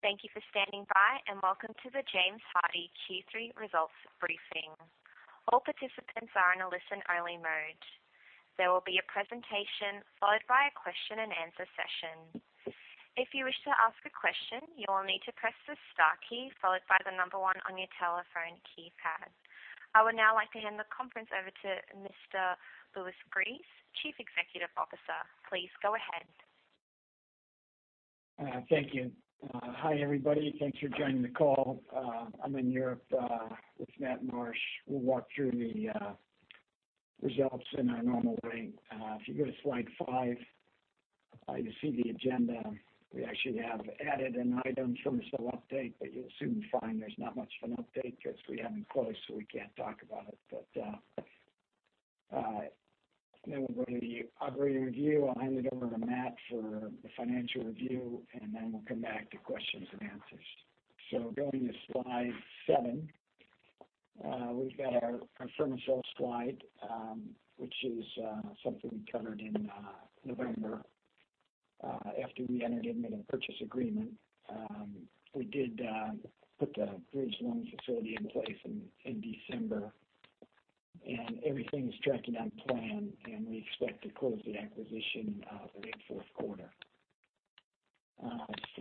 Thank you for standing by, and welcome to the James Hardie Q3 Results Briefing. All participants are in a listen-only mode. There will be a presentation followed by a question-and-answer session. If you wish to ask a question, you will need to press the star key followed by the number one on your telephone keypad. I would now like to hand the conference over to Mr. Louis Gries, Chief Executive Officer. Please go ahead. Thank you. Hi, everybody. Thanks for joining the call. I'm in Europe with Matt Marsh. We'll walk through the results in our normal way. If you go to slide five, you see the agenda. We actually have added an item, Fermacell update, but you'll soon find there's not much of an update 'cause we haven't closed, so we can't talk about it. But then we'll go to the operating review. I'll hand it over to Matt for the financial review, and then we'll come back to questions and answers, so going to slide seven, we've got our Fermacell slide, which is something we covered in November after we entered and made a purchase agreement. We did put the bridge loan facility in place in December, and everything is tracking on plan, and we expect to close the acquisition late fourth quarter.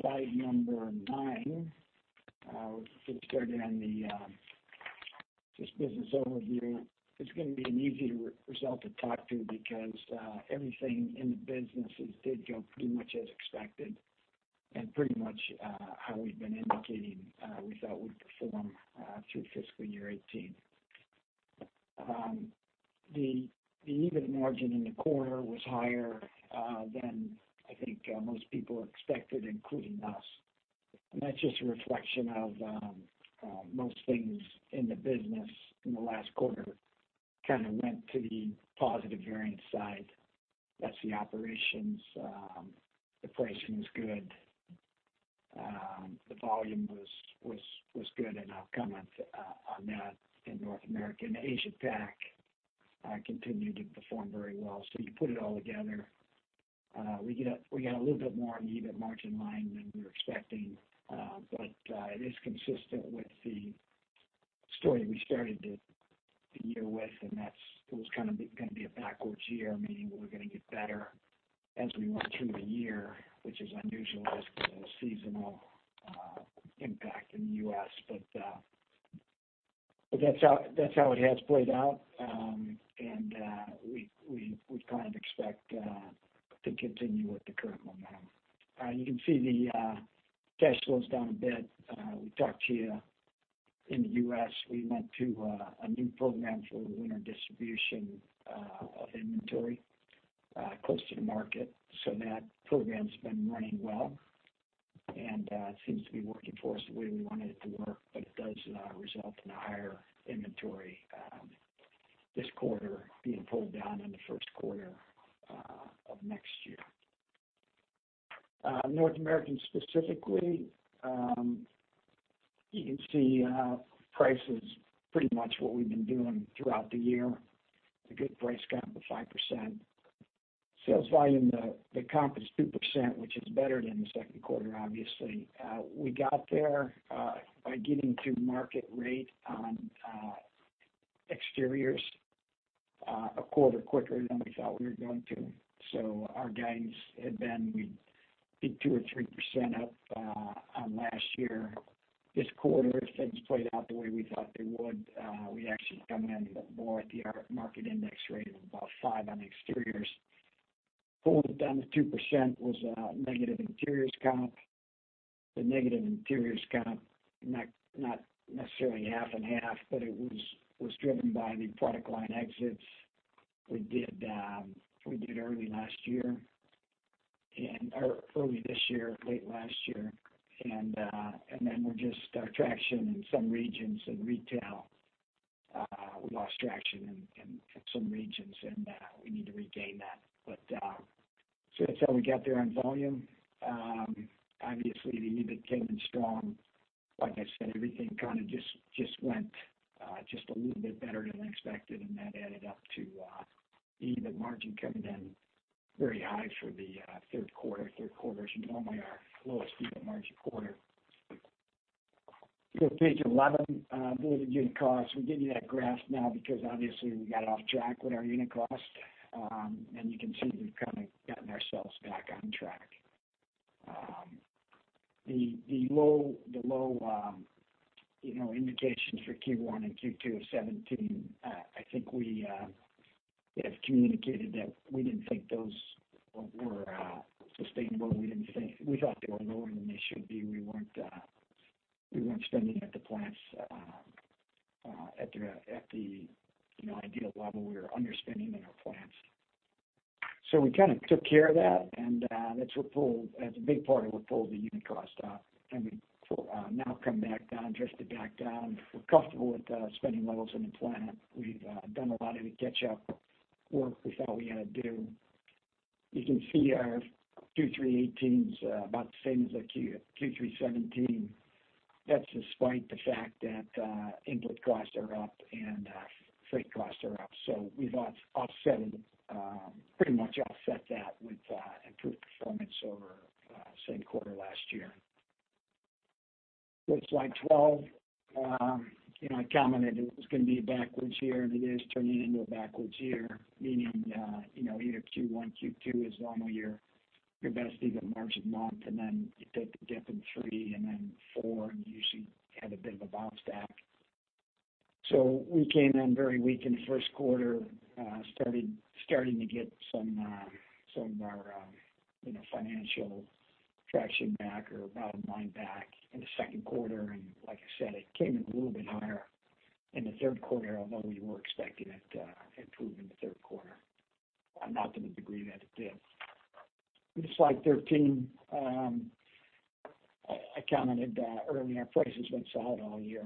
Slide number nine, we'll get started on the just business overview. It's gonna be an easy result to talk to because everything in the businesses did go pretty much as expected and pretty much how we've been indicating we thought we'd perform through fiscal year 2018. The EBIT margin in the quarter was higher than I think most people expected, including us, and that's just a reflection of most things in the business in the last quarter kind of went to the positive variance side. That's the operations. The pricing was good. The volume was good, and I'll comment on that in North America. Asia Pac continued to perform very well. So you put it all together, we got a little bit more EBIT margin line than we were expecting. But it is consistent with the story we started the year with, and that's, it was kind of gonna be a backwards year, meaning we're gonna get better as we went through the year, which is unusual as to the seasonal impact in the US. But that's how it has played out. And we kind of expect to continue with the current momentum. You can see the cash flows down a bit. We talked to you... In the U.S., we went to a new program for the winter distribution of inventory close to the market. So that program's been running well and seems to be working for us the way we wanted it to work. But it does result in a higher inventory this quarter being pulled down in the first quarter of next year. North America, specifically, you can see price is pretty much what we've been doing throughout the year. A good price comp of 5%. Sales volume, the comp is 2%, which is better than the second quarter, obviously. We got there by getting to market rate on exteriors a quarter quicker than we thought we were going to. So our guidance had been, we'd be 2% or 3% up on last year. This quarter, things played out the way we thought they would. We actually came in more at the average market index rate of about 5% on the exteriors. Pulling it down to 2% was negative interiors comps. The negative interiors comps, not necessarily half and half, but it was driven by the product line exits we did early last year or early this year, late last year. Then we just lost our traction in some regions in retail. We lost traction in some regions, and we need to regain that. So that's how we got there on volume. Obviously, the EBIT came in strong. Like I said, everything kind of just just went just a little bit better than expected, and that added up to EBIT margin coming in very high for the third quarter. Third quarter is normally our lowest EBIT margin quarter. Go to page 11, unit costs. We give you that graph now because obviously we got off track with our unit costs. And you can see we've kind of gotten ourselves back on track. The low you know indications for Q1 and Q2 of 2017, I think we have communicated that we didn't think those were sustainable. We didn't think. We thought they were lower than they should be. We weren't spending at the plants at the you know ideal level. We were underspending in our plants. So we kind of took care of that, and, that's what pulled, that's a big part of what pulled the unit cost up, and we pull now come back down, drifted back down. We're comfortable with, spending levels in the plant. We've, done a lot of the catch-up work we thought we had to do. You can see our Q3 2018's about the same as Q3 2017. That's despite the fact that, input costs are up and, freight costs are up. So we've offset it, pretty much offset that with, improved performance over, same quarter last year. Go to slide twelve. You know, I commented it was gonna be a backwards year, and it is turning into a backwards year, meaning you know, either Q1, Q2 is normally your best EBIT margin month, and then you take a dip in three and then four, and you usually have a bit of a bounce back. So we came in very weak in the first quarter, starting to get some of our financial traction back or bottom line back in the second quarter. And like I said, it came in a little bit higher in the third quarter, although we were expecting it to improve in the third quarter, not to the degree that it did. Slide 13. I commented earlier, our price has been solid all year.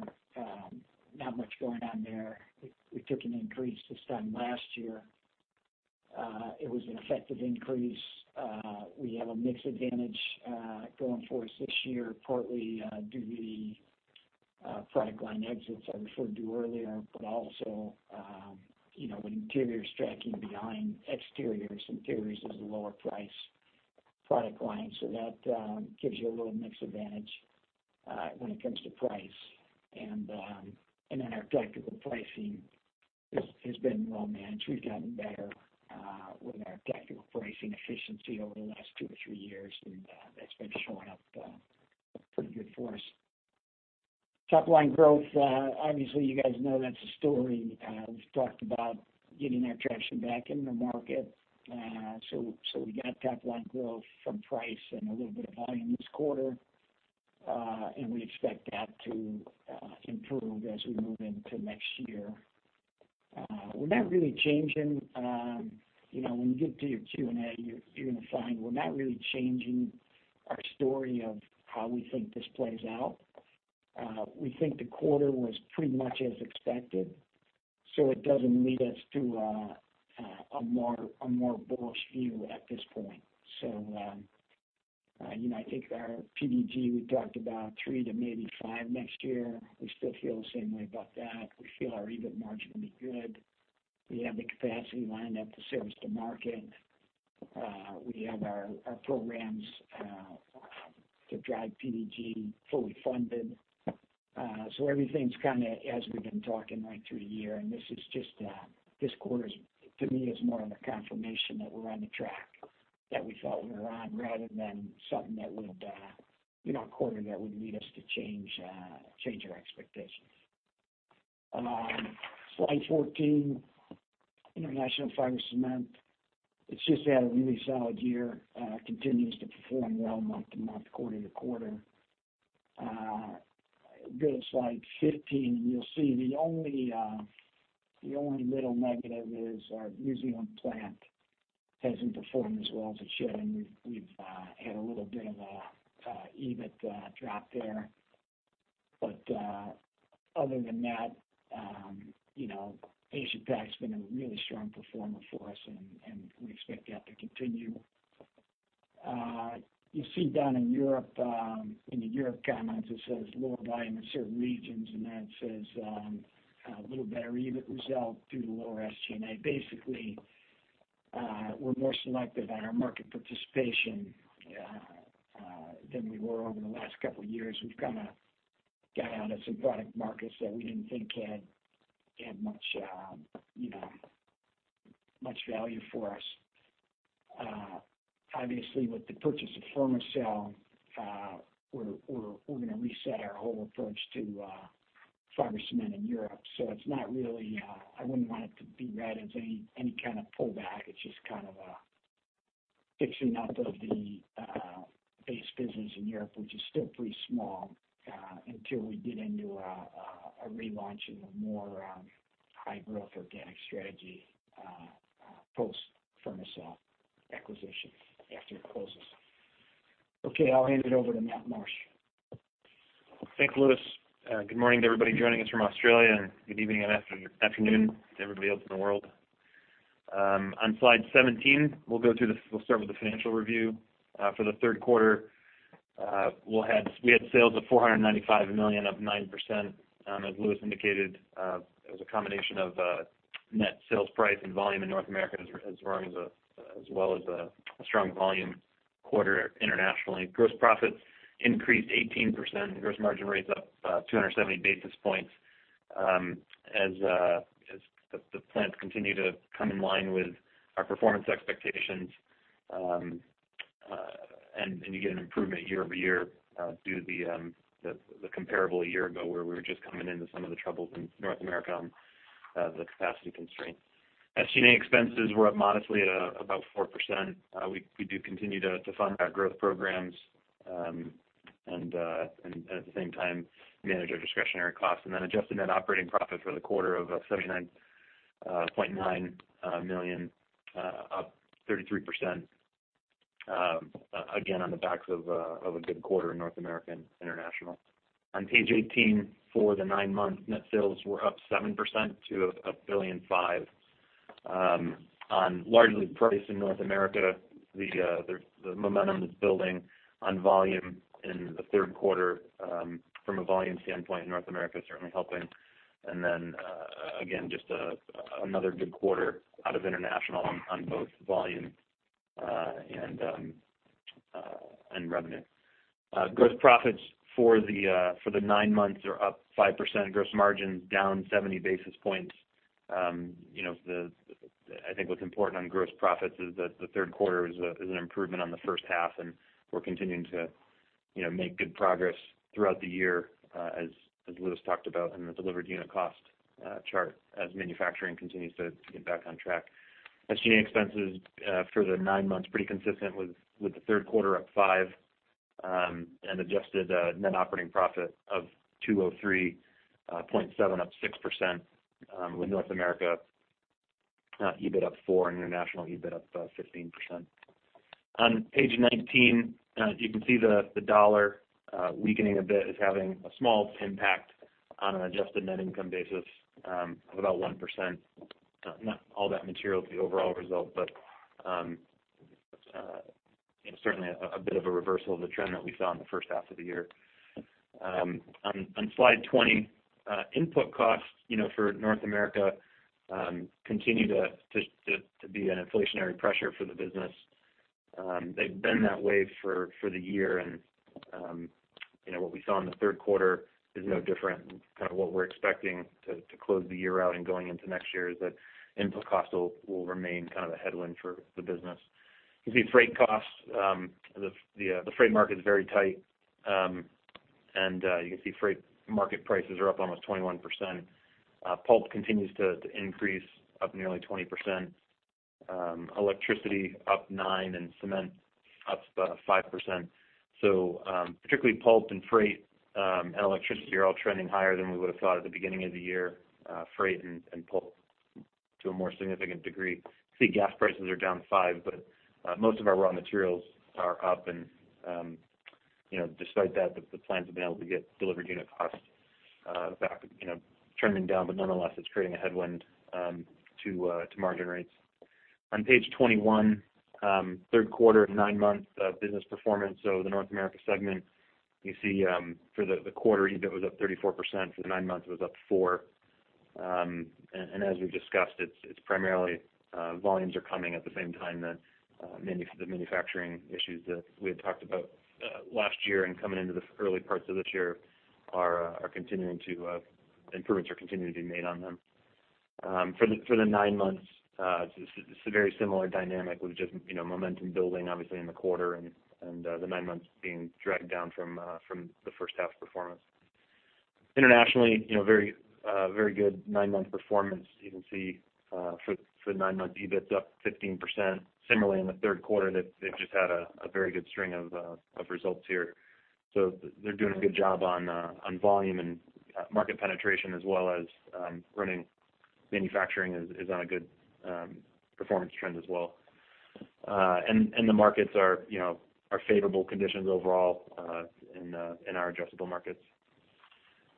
Not much going on there. We took an increase this time last year. It was an effective increase. We have a mix advantage going for us this year, partly due to the product line exits I referred to earlier. But also, you know, when Interiors is tracking behind Exteriors, Interiors is a lower price product line. So that gives you a little mix advantage when it comes to price. And then our tactical pricing has been well managed. We've gotten better with our tactical pricing efficiency over the last two or three years, and that's been showing up pretty good for us. Top line growth, obviously, you guys know that's a story. We've talked about getting our traction back in the market. We got top line growth from price and a little bit of volume this quarter. We expect that to improve as we move into next year. We're not really changing. You know, when you get to your Q&A, you're gonna find we're not really changing our story of how we think this plays out. We think the quarter was pretty much as expected, so it doesn't lead us to a more bullish view at this point. You know, I think our PDG; we talked about three to maybe five next year. We still feel the same way about that. We feel our EBIT margin will be good. We have the capacity lined up to service the market. We have our programs to drive PDG fully funded. So everything's kind of as we've been talking right through the year, and this is just this quarter is, to me, more of a confirmation that we're on the track that we thought we were on, rather than something that would, you know, a quarter that would lead us to change our expectations. Slide 14. International Fiber Cement. It's just had a really solid year, continues to perform well month to month, quarter to quarter. Go to slide 15, you'll see the only real negative is our New Zealand plant hasn't performed as well as it should, and we've had a little bit of a EBIT drop there. But other than that, you know, Asia Pac's been a really strong performer for us, and we expect that to continue. You see down in Europe, in the Europe comments, it says lower volume in certain regions, and then it says, a little better EBIT result due to lower SG&A. Basically, we're more selective on our market participation than we were over the last couple of years. We've kind of got out of some product markets that we didn't think had much, you know, much value for us. Obviously, with the purchase of Fermacell, we're gonna reset our whole approach to fiber cement in Europe. So it's not really... I wouldn't want it to be read as any kind of pullback. It's just kind of a fixing up of the base business in Europe, which is still pretty small, until we get into a relaunch and a more high growth organic strategy, post-Fermacell acquisition, after it closes. Okay, I'll hand it over to Matt Marsh. Thanks, Louis. Good morning to everybody joining us from Australia, and good evening and afternoon to everybody else in the world. On slide 17, we'll go through the, we'll start with the financial review. For the third quarter, we had sales of $495 million, up 9%. As Louis indicated, it was a combination of net sales price and volume in North America, as well as a strong volume quarter internationally. Gross profits increased 18%. Gross margin rates up 270 basis points, as the plants continue to come in line with our performance expectations. And you get an improvement year over year, due to the comparable a year ago, where we were just coming into some of the troubles in North America on the capacity constraint. SG&A expenses were up modestly, at about 4%. We do continue to fund our growth programs, and at the same time, manage our discretionary costs. And then adjusted net operating profit for the quarter of 79.9 million, up 33%. Again, on the backs of a good quarter in North America and International. On page 18, for the nine months, net sales were up 7% to $1.5 billion. On largely priced in North America, the momentum is building on volume in the third quarter, from a volume standpoint in North America, certainly helping. And then, again, just another good quarter out of international on both volume and revenue. Gross profits for the nine months are up 5%. Gross margins down seventy basis points. You know, I think what's important on gross profits is that the third quarter is an improvement on the first half, and we're continuing to, you know, make good progress throughout the year, as Louis talked about in the delivered unit cost chart, as manufacturing continues to get back on track. SG&A expenses for the nine months, pretty consistent with the third quarter up 5%, and adjusted net operating profit of $203.7, up 6%, with North America EBIT up 4%, and international EBIT up 15%. On page 19, you can see the dollar weakening a bit is having a small impact on an adjusted net income basis of about 1%. Not all that material to the overall result, but certainly a bit of a reversal of the trend that we saw in the first half of the year. On slide 20, input costs, you know, for North America continue to be an inflationary pressure for the business. They've been that way for the year, and you know, what we saw in the third quarter is no different. Kind of what we're expecting to close the year out and going into next year is that input costs will remain kind of a headwind for the business. You see freight costs. The freight market is very tight, and you can see freight market prices are up almost 21%. Pulp continues to increase, up nearly 20%, electricity up 9%, and cement up 5%. So, particularly pulp and freight, and electricity are all trending higher than we would have thought at the beginning of the year, freight and pulp to a more significant degree. You see gas prices are down five, but most of our raw materials are up, and you know, despite that, the plants have been able to get delivered unit costs back, you know, trending down, but nonetheless, it's creating a headwind to margin rates. On page 21, third quarter, nine-month business performance, so the North America segment, you see, for the quarter, EBIT was up 34%. For the nine months, it was up four, and as we've discussed, it's primarily volumes are coming at the same time that the manufacturing issues that we had talked about last year and coming into the early parts of this year are continuing to... improvements are continuing to be made on them. For the nine months, it's a very similar dynamic with just, you know, momentum building, obviously, in the quarter and the nine months being dragged down from the first half performance. Internationally, you know, very good nine-month performance. You can see, for the nine-month, EBIT's up 15%. Similarly, in the third quarter, they've just had a very good string of results here. So they're doing a good job on volume and market penetration, as well as running manufacturing is on a good performance trend as well. And the markets are, you know, favorable conditions overall, in our Asia Pacific markets.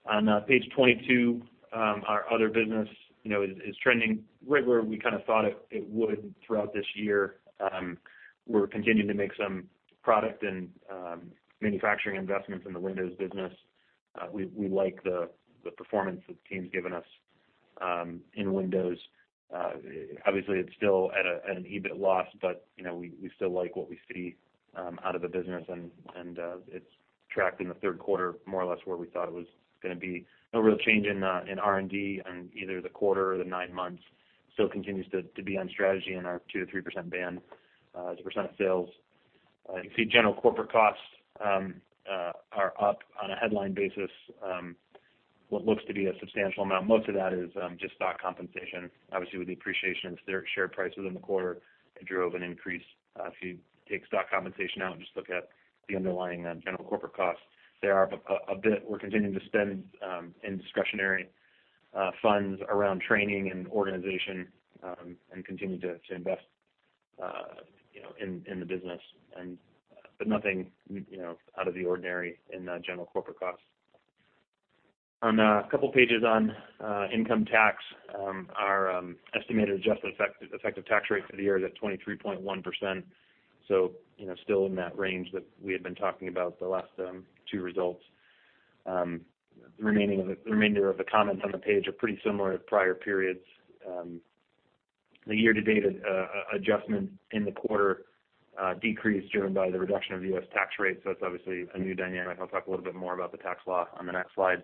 On page 22, our other business, you know, is trending right where we kind of thought it would throughout this year. We're continuing to make some product and manufacturing investments in the Windows business. We like the performance that the team's given us in Windows. Obviously, it's still at an EBIT loss, but, you know, we still like what we see out of the business, and it's tracked in the third quarter, more or less where we thought it was gonna be. No real change in R&D in either the quarter or the nine months. Still continues to be on strategy in our 2-3% band as a % of sales. You can see general corporate costs are up on a headline basis, what looks to be a substantial amount. Most of that is just stock compensation. Obviously, with the appreciation of their share prices in the quarter, it drove an increase. If you take stock compensation out and just look at the underlying general corporate costs, they are up a bit. We're continuing to spend in discretionary funds around training and organization, and continue to invest, you know, in the business. But nothing, you know, out of the ordinary in the general corporate costs. On a couple pages on income tax, our estimated adjusted effective tax rate for the year is at 23.1%. So, you know, still in that range that we had been talking about the last two results. The remainder of the comments on the page are pretty similar to prior periods. The year-to-date adjustment in the quarter decreased, driven by the reduction of the U.S. tax rate, so that's obviously a new dynamic. I'll talk a little bit more about the tax law on the next slide.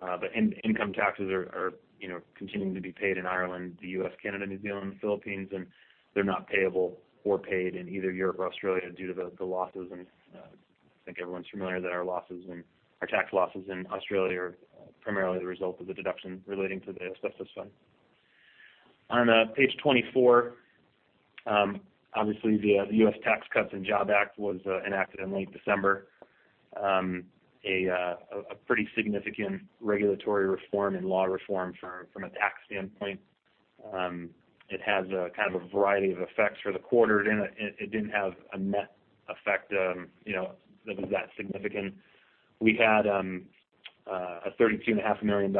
But income taxes are, you know, continuing to be paid in Ireland, the U.S., Canada, New Zealand, the Philippines, and they're not payable or paid in either Europe or Australia due to the losses. I think everyone's familiar that our tax losses in Australia are primarily the result of the deduction relating to the Asbestos Fund. On page twenty-four, obviously, the U.S. Tax Cuts and Jobs Act was enacted in late December. A pretty significant regulatory reform and law reform from a tax standpoint. It has a kind of a variety of effects for the quarter. It didn't have a net effect, you know, that was that significant. We had a $32.5 million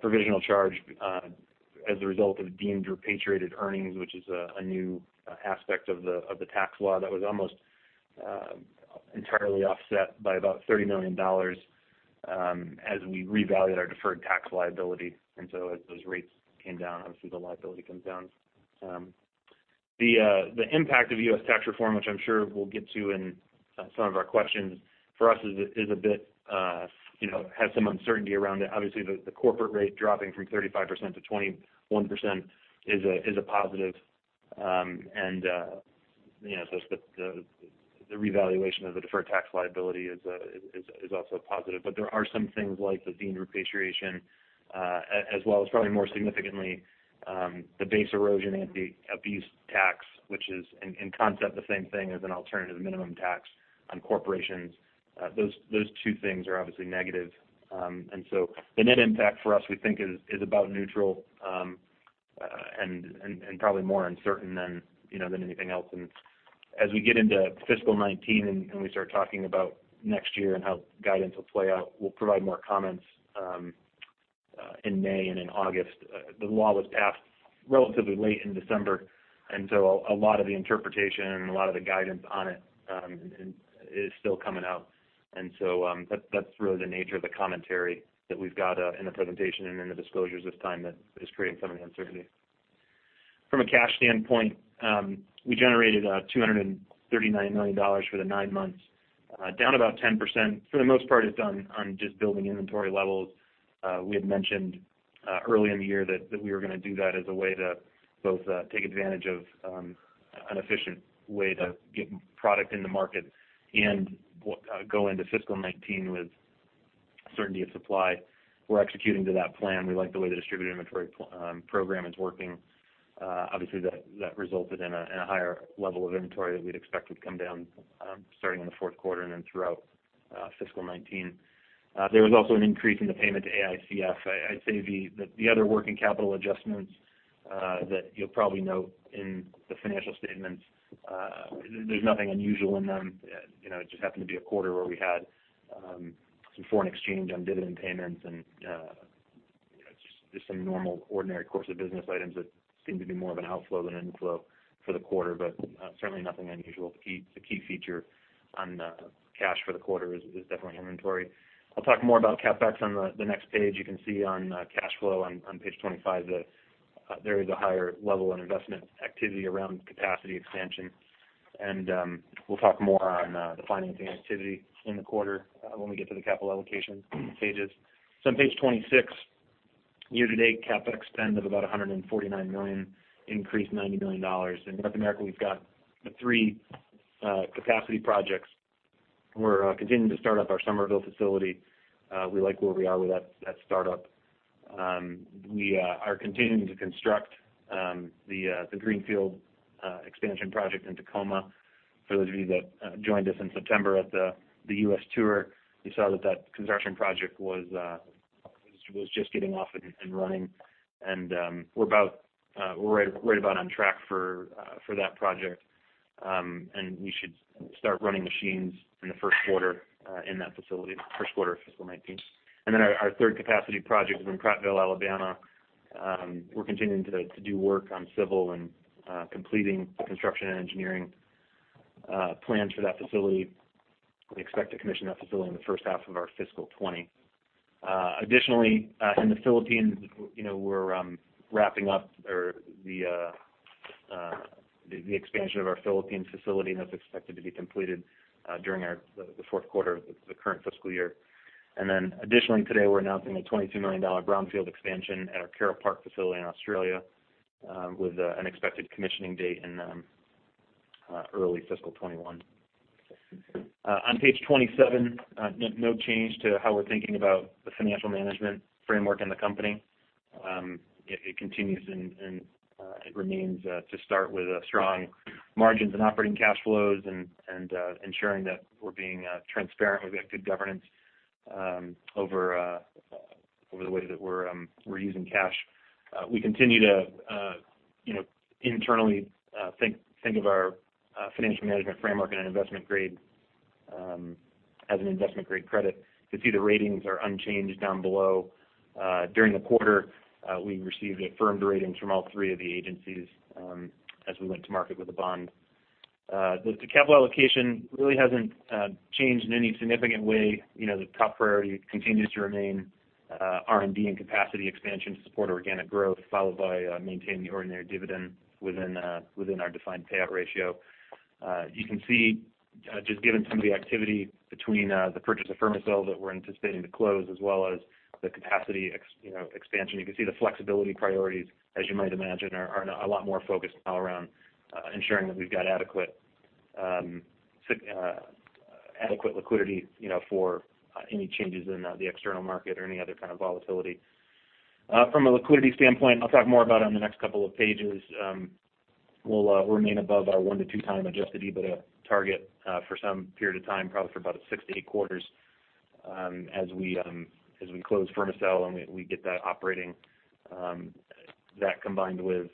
provisional charge as a result of deemed repatriated earnings, which is a new aspect of the tax law that was almost entirely offset by about $30 million as we revalued our deferred tax liability. And so as those rates came down, obviously, the liability comes down. The impact of U.S. tax reform, which I'm sure we'll get to in some of our questions, for us, is a bit, you know, has some uncertainty around it. Obviously, the corporate rate dropping from 35% to 21% is a positive. And you know, so the revaluation of the deferred tax liability is also a positive. But there are some things like the deemed repatriation as well as probably more significantly the base erosion and anti-abuse tax, which is in concept the same thing as an alternative minimum tax on corporations. Those two things are obviously negative. And so the net impact for us, we think, is about neutral and probably more uncertain than, you know, than anything else. And as we get into fiscal 2019 and we start talking about next year and how guidance will play out, we'll provide more comments in May and in August. The law was passed relatively late in December, and so a lot of the interpretation and a lot of the guidance on it is still coming out. And so, that's really the nature of the commentary that we've got in the presentation and in the disclosures this time that is creating some of the uncertainty. From a cash standpoint, we generated $239 million for the nine months, down about 10%. For the most part, it's on just building inventory levels. We had mentioned early in the year that we were gonna do that as a way to both take advantage of an efficient way to get product in the market and go into fiscal 2019 with certainty of supply. We're executing to that plan. We like the way the distributor inventory program is working. Obviously, that resulted in a higher level of inventory that we'd expect would come down starting in the fourth quarter and then throughout fiscal 2019. There was also an increase in the payment to AICF. I'd say the other working capital adjustments that you'll probably note in the financial statements, there's nothing unusual in them. You know, it just happened to be a quarter where we had some foreign exchange on dividend payments and just some normal ordinary course of business items that seemed to be more of an outflow than inflow for the quarter, but certainly nothing unusual. The key feature on the cash for the quarter is definitely inventory. I'll talk more about CapEx on the next page. You can see on cash flow on page 25 that there is a higher level of investment activity around capacity expansion, and we'll talk more on the financing activity in the quarter when we get to the capital allocation pages. On page 26, year-to-date, CapEx spend of about $149 million, increased $90 million. In North America, we've got the three capacity projects. We're continuing to start up our Somerville facility. We like where we are with that startup. We are continuing to construct the Greenfield expansion project in Tacoma. For those of you that joined us in September at the U.S. tour, you saw that construction project was just getting off and running, and we're right about on track for that project. And we should start running machines in the first quarter in that facility, first quarter of fiscal 2019. And then our third capacity project is in Prattville, Alabama. We're continuing to do work on civil and completing the construction and engineering plans for that facility. We expect to commission that facility in the first half of our fiscal 2020. Additionally, in the Philippines, you know, we're wrapping up the expansion of our Philippines facility, and that's expected to be completed during the fourth quarter of the current fiscal year. Then additionally, today, we're announcing a $22 million brownfield expansion at our Carole Park facility in Australia, with an expected commissioning date in early fiscal 2021. On page 27, no change to how we're thinking about the financial management framework in the company. It continues and it remains to start with strong margins and operating cash flows and ensuring that we're being transparent. We've got good governance over the way that we're using cash. We continue to, you know, internally, think of our financial management framework and an investment grade as an investment-grade credit. You'll see the ratings are unchanged down below. During the quarter, we received affirmed ratings from all three of the agencies, as we went to market with the bond. The capital allocation really hasn't changed in any significant way. You know, the top priority continues to remain R&D and capacity expansion to support organic growth, followed by maintaining the ordinary dividend within our defined payout ratio. You can see, just given some of the activity between the purchase of Fermacell that we're anticipating to close, as well as the capacity you know, expansion, you can see the flexibility priorities, as you might imagine, are a lot more focused now around ensuring that we've got adequate liquidity, you know, for any changes in the external market or any other kind of volatility. From a liquidity standpoint, I'll talk more about it on the next couple of pages. We'll remain above our one to two times adjusted EBITDA target for some period of time, probably for about six to eight quarters, as we close Fermacell, and we get that operating. That combined with...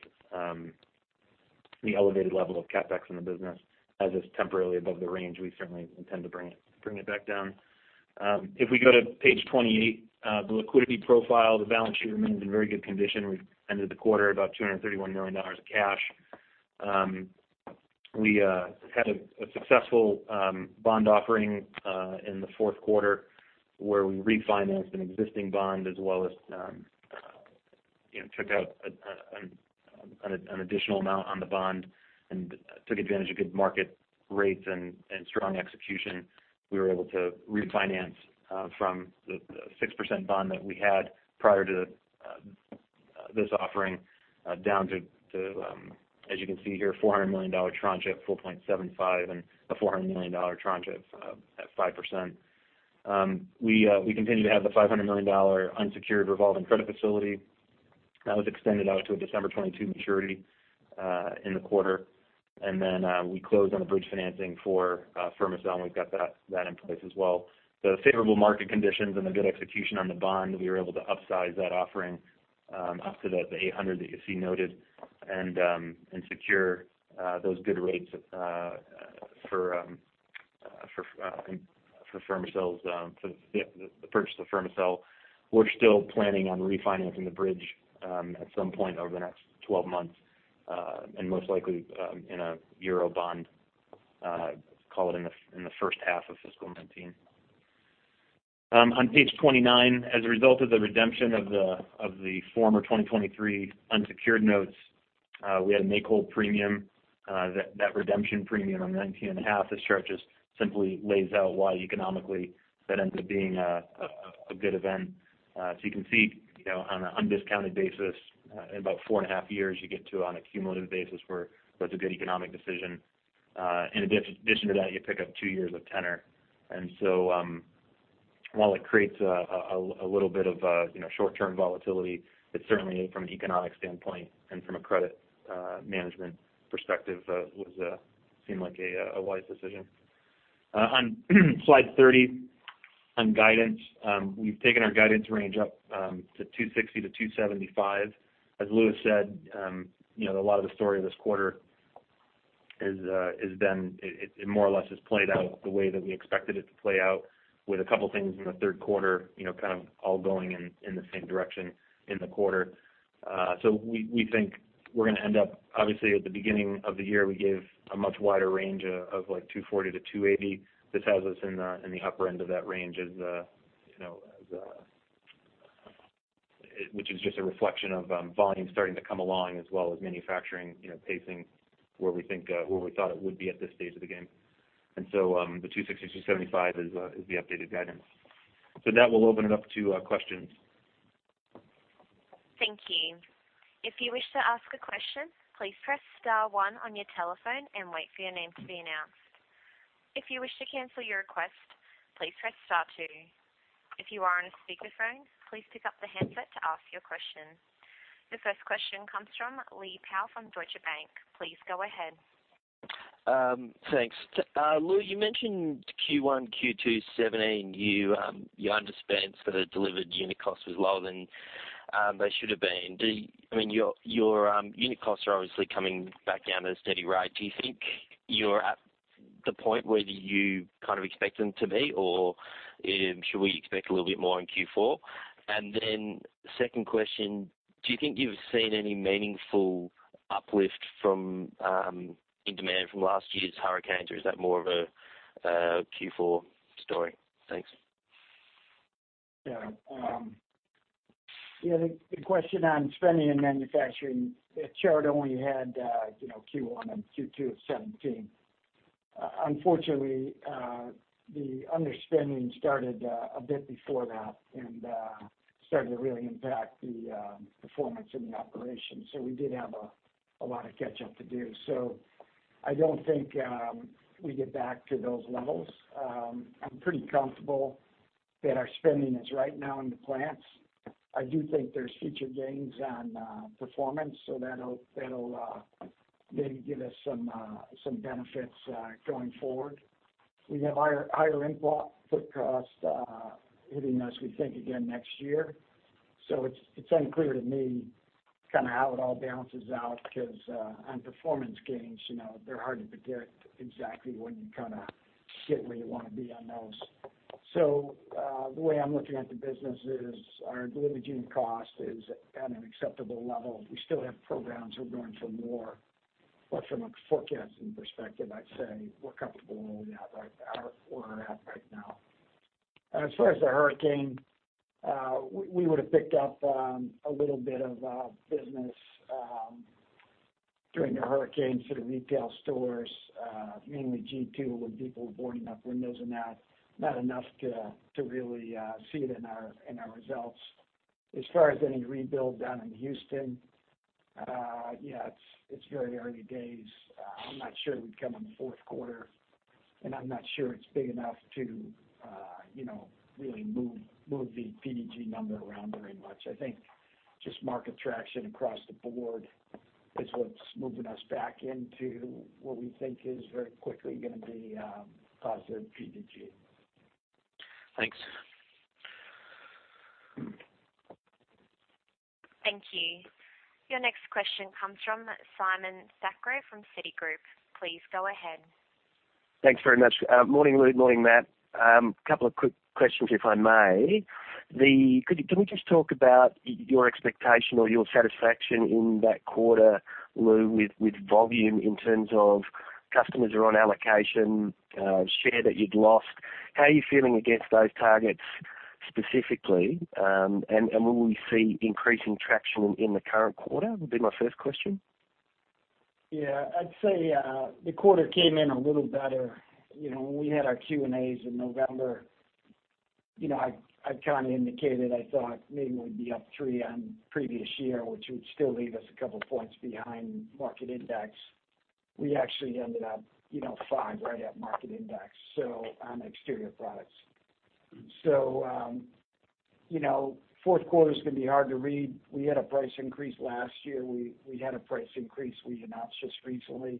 The elevated level of CapEx in the business as it's temporarily above the range, we certainly intend to bring it back down. If we go to page 28, the liquidity profile, the balance sheet remains in very good condition. We've ended the quarter about $231 million of cash. We had a successful bond offering in the fourth quarter, where we refinanced an existing bond as well as, you know, took out an additional amount on the bond and took advantage of good market rates and strong execution. We were able to refinance from the 6% bond that we had prior to this offering down to, as you can see here, $400 million tranche at 4.75% and a $400 million tranche at 5%. We continue to have the $500 million unsecured revolving credit facility. That was extended out to a December 2022 maturity in the quarter. And then we closed on the bridge financing for Fermacell, and we've got that in place as well. The favorable market conditions and the good execution on the bond, we were able to upsize that offering up to the $800 that you see noted and secure those good rates for Fermacell's for the purchase of Fermacell. We're still planning on refinancing the bridge at some point over the next 12 months and most likely in a euro bond call it in the first half of fiscal 2019. On page 29, as a result of the redemption of the former 2023 unsecured notes, we had a make-whole premium that redemption premium on $19.5. This chart just simply lays out why, economically, that ends up being a good event. So you can see, you know, on an undiscounted basis, in about four and a half years, you get to on a cumulative basis where it's a good economic decision. In addition to that, you pick up two years of tenor. And so, while it creates a little bit of, you know, short-term volatility, it's certainly from an economic standpoint and from a credit management perspective, seemed like a wise decision. On slide 30, on guidance, we've taken our guidance range up to $260-$275. As Louis said, you know, a lot of the story this quarter is that it more or less has played out the way that we expected it to play out, with a couple things in the third quarter, you know, kind of all going in the same direction in the quarter. So we think we're gonna end up. Obviously, at the beginning of the year, we gave a much wider range of, like, $240-$280. This has us in the upper end of that range as, you know, which is just a reflection of volume starting to come along, as well as manufacturing, you know, pacing where we thought it would be at this stage of the game. And so, the $2.60-$2.75 is the updated guidance. So with that, we'll open it up to questions. Thank you. If you wish to ask a question, please press star one on your telephone and wait for your name to be announced. If you wish to cancel your request, please press star two. If you are on a speakerphone, please pick up the handset to ask your question. The first question comes from Lee Power from Deutsche Bank. Please go ahead. Thanks. Louis, you mentioned Q1, Q2 2017, you underspent, so the delivered unit cost was lower than they should have been. I mean, your unit costs are obviously coming back down at a steady rate. Do you think you're at the point where you kind of expect them to be, or should we expect a little bit more in Q4? And then second question, do you think you've seen any meaningful uplift from in demand from last year's hurricanes, or is that more of a Q4 story? Thanks. Yeah, yeah, the question on spending and manufacturing, that chart only had, you know, Q1 and Q2 of 2017. Unfortunately, the underspending started a bit before that and started to really impact the performance in the operation, so we did have a lot of catch-up to do, so I don't think we get back to those levels. I'm pretty comfortable that our spending is right now in the plants. I do think there's future gains on performance, so that'll maybe give us some benefits going forward. We have higher input costs hitting us, we think, again, next year. So it's unclear to me kind of how it all balances out, because on performance gains, you know, they're hard to predict exactly when you kind of get where you want to be on those. So the way I'm looking at the business is our delivered unit cost is at an acceptable level. We still have programs we're going for more, but from a forecasting perspective, I'd say we're comfortable where we are at right now. As far as the hurricane, we would've picked up a little bit of business during the hurricane for the retail stores, mainly G2, with people boarding up windows and that. Not enough to really see it in our results. As far as any rebuild down in Houston, yeah, it's very early days. I'm not sure it would come in the fourth quarter, and I'm not sure it's big enough to, you know, really move the PDG number around very much. I think just market traction across the board is what's moving us back into what we think is very quickly gonna be, positive PDG. Thanks. Thank you. Your next question comes from Simon Thackray from Citigroup. Please go ahead. Thanks very much. Morning, Lou, morning, Matt. A couple of quick questions, if I may. Could we just talk about your expectation or your satisfaction in that quarter, Lou, with volume in terms of customers are on allocation, share that you'd lost? How are you feeling against those targets specifically, and will we see increasing traction in the current quarter? Would be my first question. Yeah, I'd say the quarter came in a little better. You know, when we had our Q&As in November, you know, I kind of indicated I thought maybe we'd be up three on previous year, which would still leave us a couple points behind market index. We actually ended up, you know, five, right at market index, so on exterior products. So, you know, fourth quarter is gonna be hard to read. We had a price increase last year. We had a price increase we announced just recently.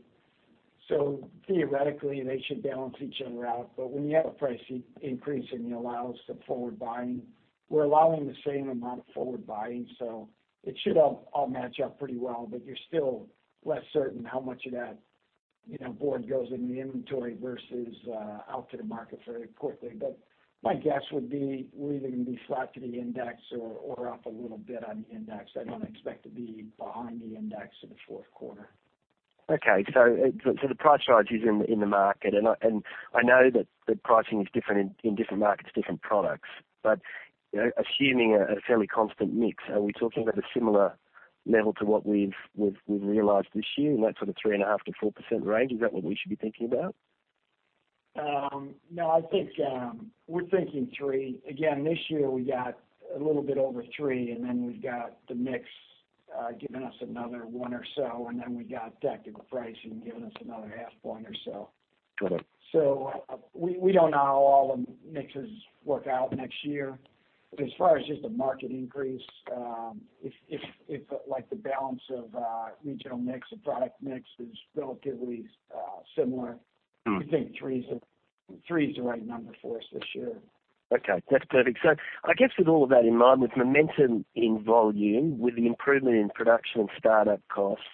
So theoretically, they should balance each other out. But when you have a price increase, and you allow some forward buying, we're allowing the same amount of forward buying, so it should all match up pretty well, but you're still less certain how much of that, you know, board goes in the inventory versus out to the market very quickly. But my guess would be we're either gonna be flat to the index or up a little bit on the index. I don't expect to be behind the index in the fourth quarter. Okay, so the price rise is in the market, and I know that the pricing is different in different markets, different products. But, you know, assuming a fairly constant mix, are we talking about a similar level to what we've realized this year, and that's sort of 3.5%-4% range? Is that what we should be thinking about? No, I think, we're thinking three. Again, this year, we got a little bit over three, and then we've got the mix, giving us another one or so, and then we got tactical pricing giving us another half point or so. Got it. So we don't know how all the mixes work out next year. But as far as just the market increase, if, like, the balance of regional mix or product mix is relatively similar- Mm. I think three is the right number for us this year. Okay, that's perfect. So I guess with all of that in mind, with momentum in volume, with the improvement in production and startup costs,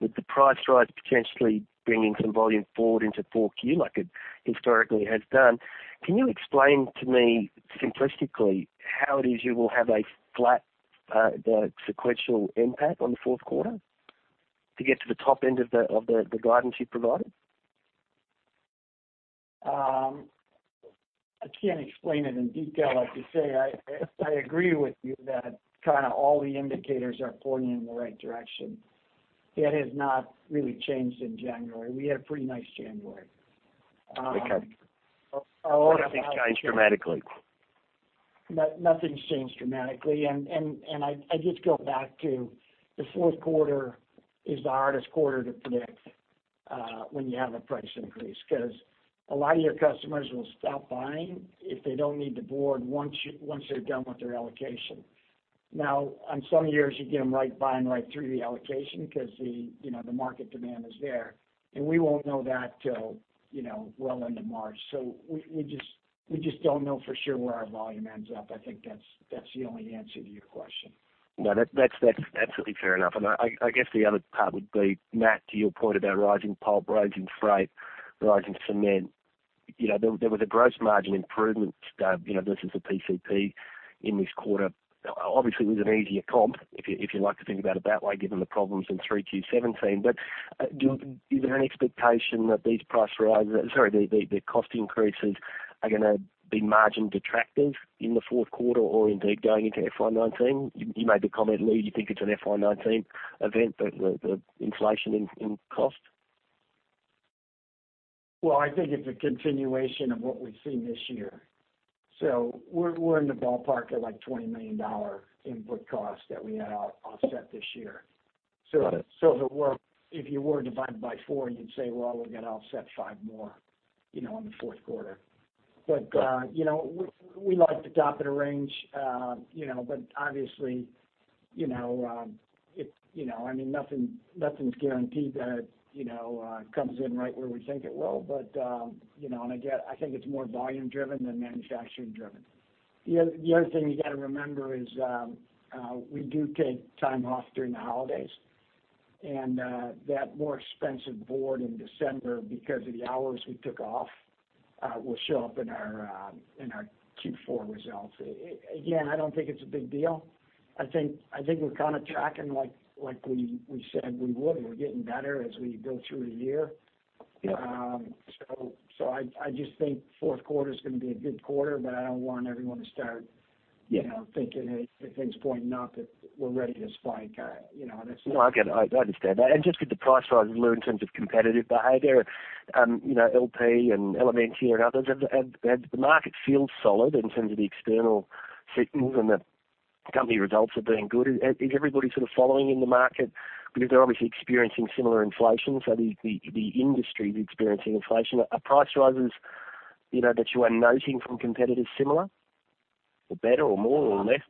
with the price rise potentially bringing some volume forward into Q4 like it historically has done, can you explain to me simplistically how it is you will have a flat, the sequential impact on the fourth quarter to get to the top end of the guidance you provided? I can't explain it in detail, like you say. I agree with you that kind of all the indicators are pointing in the right direction. That has not really changed in January. We had a pretty nice January. Okay.... Nothing's changed dramatically. No, nothing's changed dramatically, and I just go back to the fourth quarter is the hardest quarter to predict, when you have a price increase. 'Cause a lot of your customers will stop buying if they don't need the board, once they're done with their allocation. Now, on some years, you get them right buying right through the allocation 'cause the, you know, the market demand is there, and we won't know that till, you know, well into March. So we just don't know for sure where our volume ends up. I think that's the only answer to your question. No, that's absolutely fair enough. And I guess the other part would be, Matt, to your point about rising pulp, rising freight, rising cement, you know, there was a gross margin improvement, you know, versus the PCP in this quarter. Obviously, it was an easier comp, if you like to think about it that way, given the problems in 3Q17. But is there any expectation that these price rises... Sorry, the cost increases are gonna be margin detractors in the fourth quarter or indeed going into FY19? You made the comment, Lou, you think it's an FY19 event, the inflation in cost? I think it's a continuation of what we've seen this year. We're in the ballpark of, like, $20 million input costs that we had out-offset this year. Got it. So if it were, if you were to divide it by four, you'd say, "Well, we're gonna offset five more, you know, in the fourth quarter." But, you know, we like to top it a range, you know, but obviously, you know, it's, you know, I mean, nothing's guaranteed that, you know, comes in right where we think it will. But, you know, and again, I think it's more volume driven than manufacturing driven. The other thing you gotta remember is, we do take time off during the holidays, and that more expensive board in December, because of the hours we took off, will show up in our, in our Q4 results. Again, I don't think it's a big deal. I think we're kind of tracking like we said we would. We're getting better as we go through the year. So I just think fourth quarter is gonna be a good quarter, but I don't want everyone to start, you know, thinking that if things point up, that we're ready to spike. You know, that's- No, I get it. I understand that. And just with the price rises, Lou, in terms of competitive behavior, you know, LP and Elementia and others have the market feels solid in terms of the external signals and the company results are doing good. Is everybody sort of following in the market? Because they're obviously experiencing similar inflation, so the industry is experiencing inflation. Are price rises, you know, that you are noting from competitors, similar or better or more or less?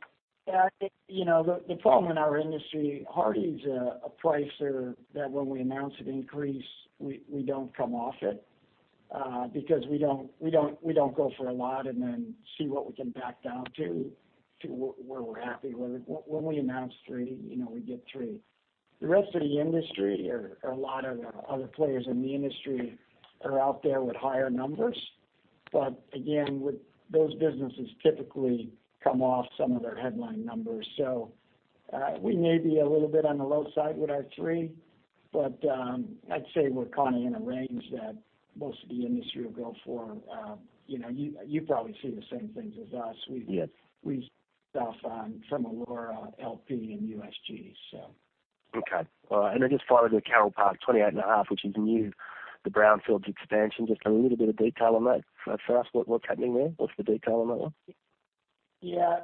Yeah, I think, you know, the problem in our industry, Hardie is a pricer that when we announce an increase, we don't come off it, because we don't go for a lot and then see what we can back down to where we're happy with it. When we announce three, you know, we get three. The rest of the industry or a lot of the other players in the industry are out there with higher numbers, but again, with those businesses typically come off some of their headline numbers. So, we may be a little bit on the low side with our three, but I'd say we're kind of in a range that most of the industry will go for. You know, you probably see the same things as us. Yes. We stuff on from Allura, LP, and USG, so. Okay. And then just finally, the Carole Park 28.5, which is new, the brownfield expansion. Just a little bit of detail on that for us, what, what's happening there? What's the detail on that one? Yeah,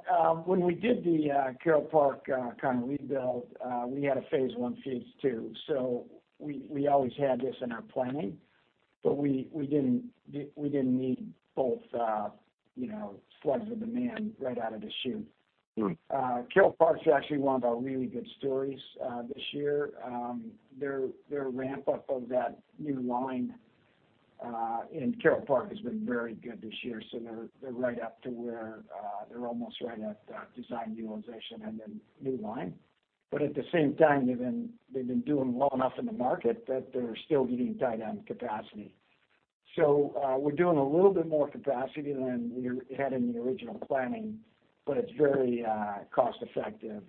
when we did the Carole Park kind of rebuild, we had a phase one, phase two, so we always had this in our planning, but we didn't need both, you know, floods of demand right out of the chute. Mm. Carole Park's actually one of our really good stories this year. Their ramp up of that new line in Carole Park has been very good this year, so they're right up to where they're almost right at design utilization and then new line, but at the same time, they've been doing well enough in the market that they're still getting tight on capacity, so we're doing a little bit more capacity than we had in the original planning, but it's very cost effective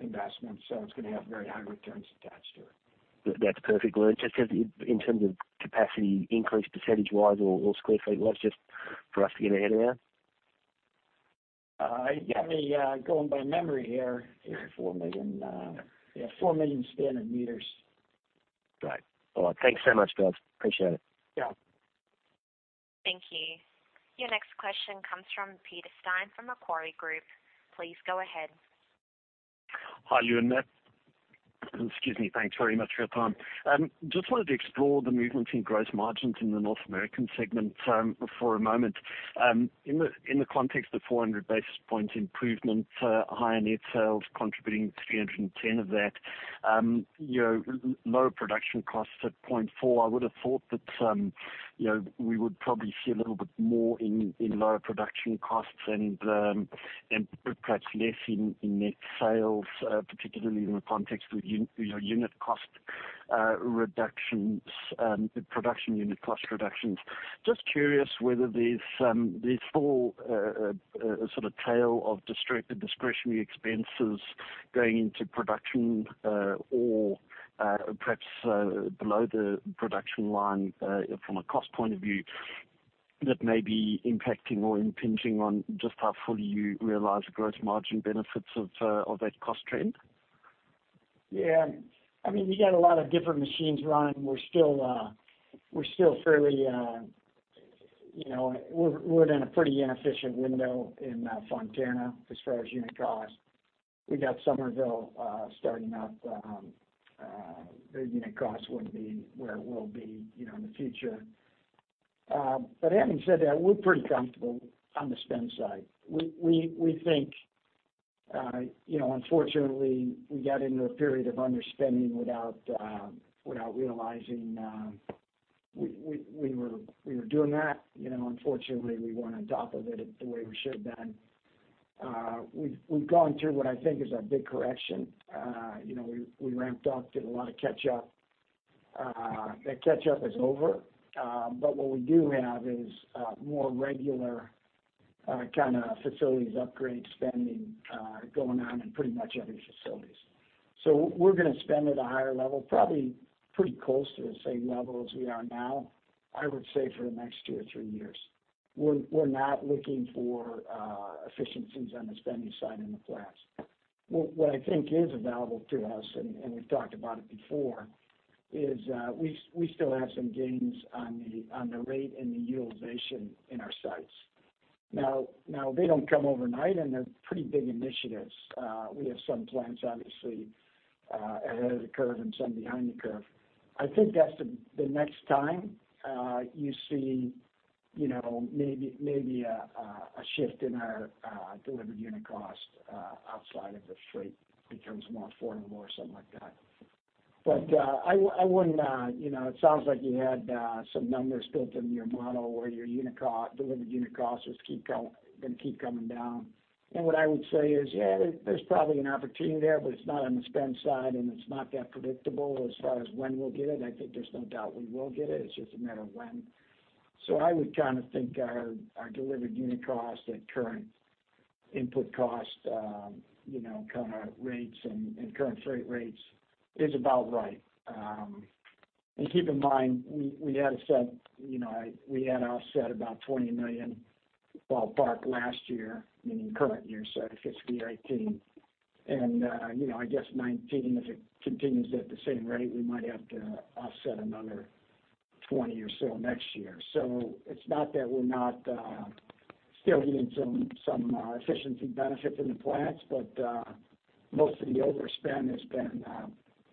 investment, so it's gonna have very high returns attached to it. That's perfect. Well, just in terms of capacity increase percentage wise or square feet wise, just for us to get our head around? You have me going by memory here. Four million, yeah, four million standard meters. Right. Well, thanks so much, Bill. Appreciate it. Yeah. Thank you. Your next question comes from Peter Steyn from Macquarie Group. Please go ahead. Hi, Lou and Matt. Excuse me. Thanks very much for your time. Just wanted to explore the movements in gross margins in the North American segment, for a moment. In the, in the context of 400 basis points improvement, higher net sales contributing 310 of that, you know, lower production costs at 0.4, I would've thought that, you know, we would probably see a little bit more in, in lower production costs and, and perhaps less in, in net sales, particularly in the context with you know, unit cost, reductions, production unit cost reductions. Just curious whether there's still a sort of tail of restricted discretionary expenses going into production, or perhaps below the production line from a cost point of view, that may be impacting or impinging on just how fully you realize the gross margin benefits of that cost trend? Yeah. I mean, we got a lot of different machines running. We're still fairly, you know, we're in a pretty inefficient window in Fontana as far as unit cost. We got Somerville starting up, their unit costs wouldn't be where it will be, you know, in the future. But having said that, we're pretty comfortable on the spend side. We think, you know, unfortunately, we got into a period of underspending without realizing we were doing that. You know, unfortunately, we weren't on top of it the way we should have been. We've gone through what I think is a big correction. You know, we ramped up, did a lot of catch-up. That catch-up is over, but what we do have is more regular kind of facilities upgrade spending going on in pretty much every facilities. So we're gonna spend at a higher level, probably pretty close to the same level as we are now, I would say, for the next two or three years. We're not looking for efficiencies on the spending side in the plants. What I think is available to us, and we've talked about it before, is we still have some gains on the rate and the utilization in our sites. Now they don't come overnight, and they're pretty big initiatives. We have some plants obviously ahead of the curve and some behind the curve. I think that's the next time you see, you know, maybe a shift in our delivered unit cost outside of the freight becomes more affordable or something like that, but I wouldn't, you know, it sounds like you had some numbers built in your model where your delivered unit costs just gonna keep coming down, and what I would say is, yeah, there's probably an opportunity there, but it's not on the spend side, and it's not that predictable as far as when we'll get it. I think there's no doubt we will get it, it's just a matter when, so I would kind of think our delivered unit cost at current input cost, you know, kind of rates and current freight rates is about right. And keep in mind, we had to offset about $20 million ballpark last year, meaning current year, so fiscal year 2018. You know, I guess 2019, if it continues at the same rate, we might have to offset another $20 million or so next year. So it's not that we're not still getting some efficiency benefits in the plants, but most of the overspend has been,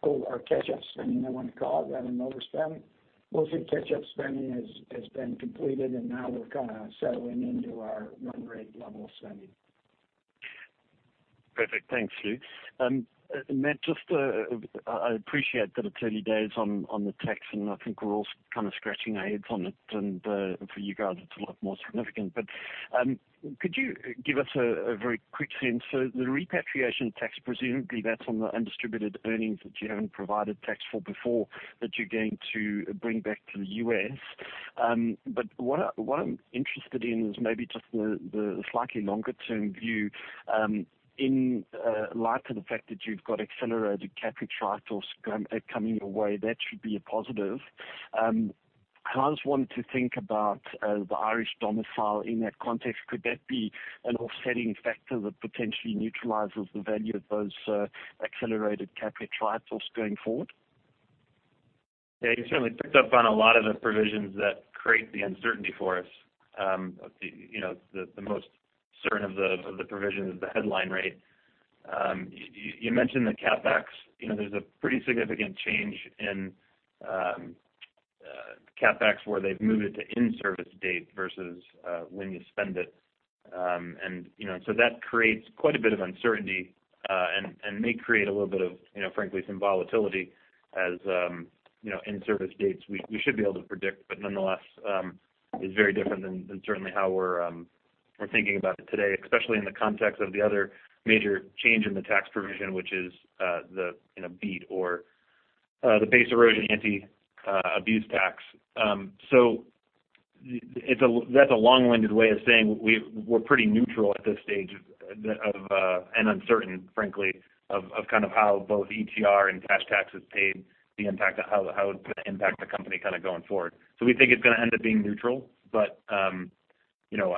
or catch-up spending, I want to call it, rather than overspending. Most of the catch-up spending has been completed, and now we're kind of settling into our run rate level of spending.... Perfect. Thanks, Lou. Matt, just, I appreciate that it's early days on the tax, and I think we're all kind of scratching our heads on it, and for you guys, it's a lot more significant, but could you give us a very quick sense, so the repatriation tax, presumably that's on the undistributed earnings that you haven't provided tax for before, that you're going to bring back to the U.S., but what I'm interested in is maybe just the slightly longer term view. In light of the fact that you've got accelerated CapEx trials coming your way, that should be a positive. I just wanted to think about how the Irish domicile in that context could be an offsetting factor that potentially neutralizes the value of those accelerated CapEx trials going forward? Yeah, you certainly picked up on a lot of the provisions that create the uncertainty for us. You know, the most certain of the provision is the headline rate. You mentioned the CapEx. You know, there's a pretty significant change in CapEx, where they've moved it to in-service date versus when you spend it. And you know, so that creates quite a bit of uncertainty and may create a little bit of you know, frankly, some volatility as you know, in service dates. We should be able to predict, but nonetheless, is very different than certainly how we're thinking about it today, especially in the context of the other major change in the tax provision, which is you know, BEAT or the base erosion anti-abuse tax. So it's a, that's a long-winded way of saying we're pretty neutral at this stage of, and uncertain, frankly, of kind of how both ETR and cash taxes paid, the impact, how it's gonna impact the company kind of going forward. So we think it's gonna end up being neutral, but, you know,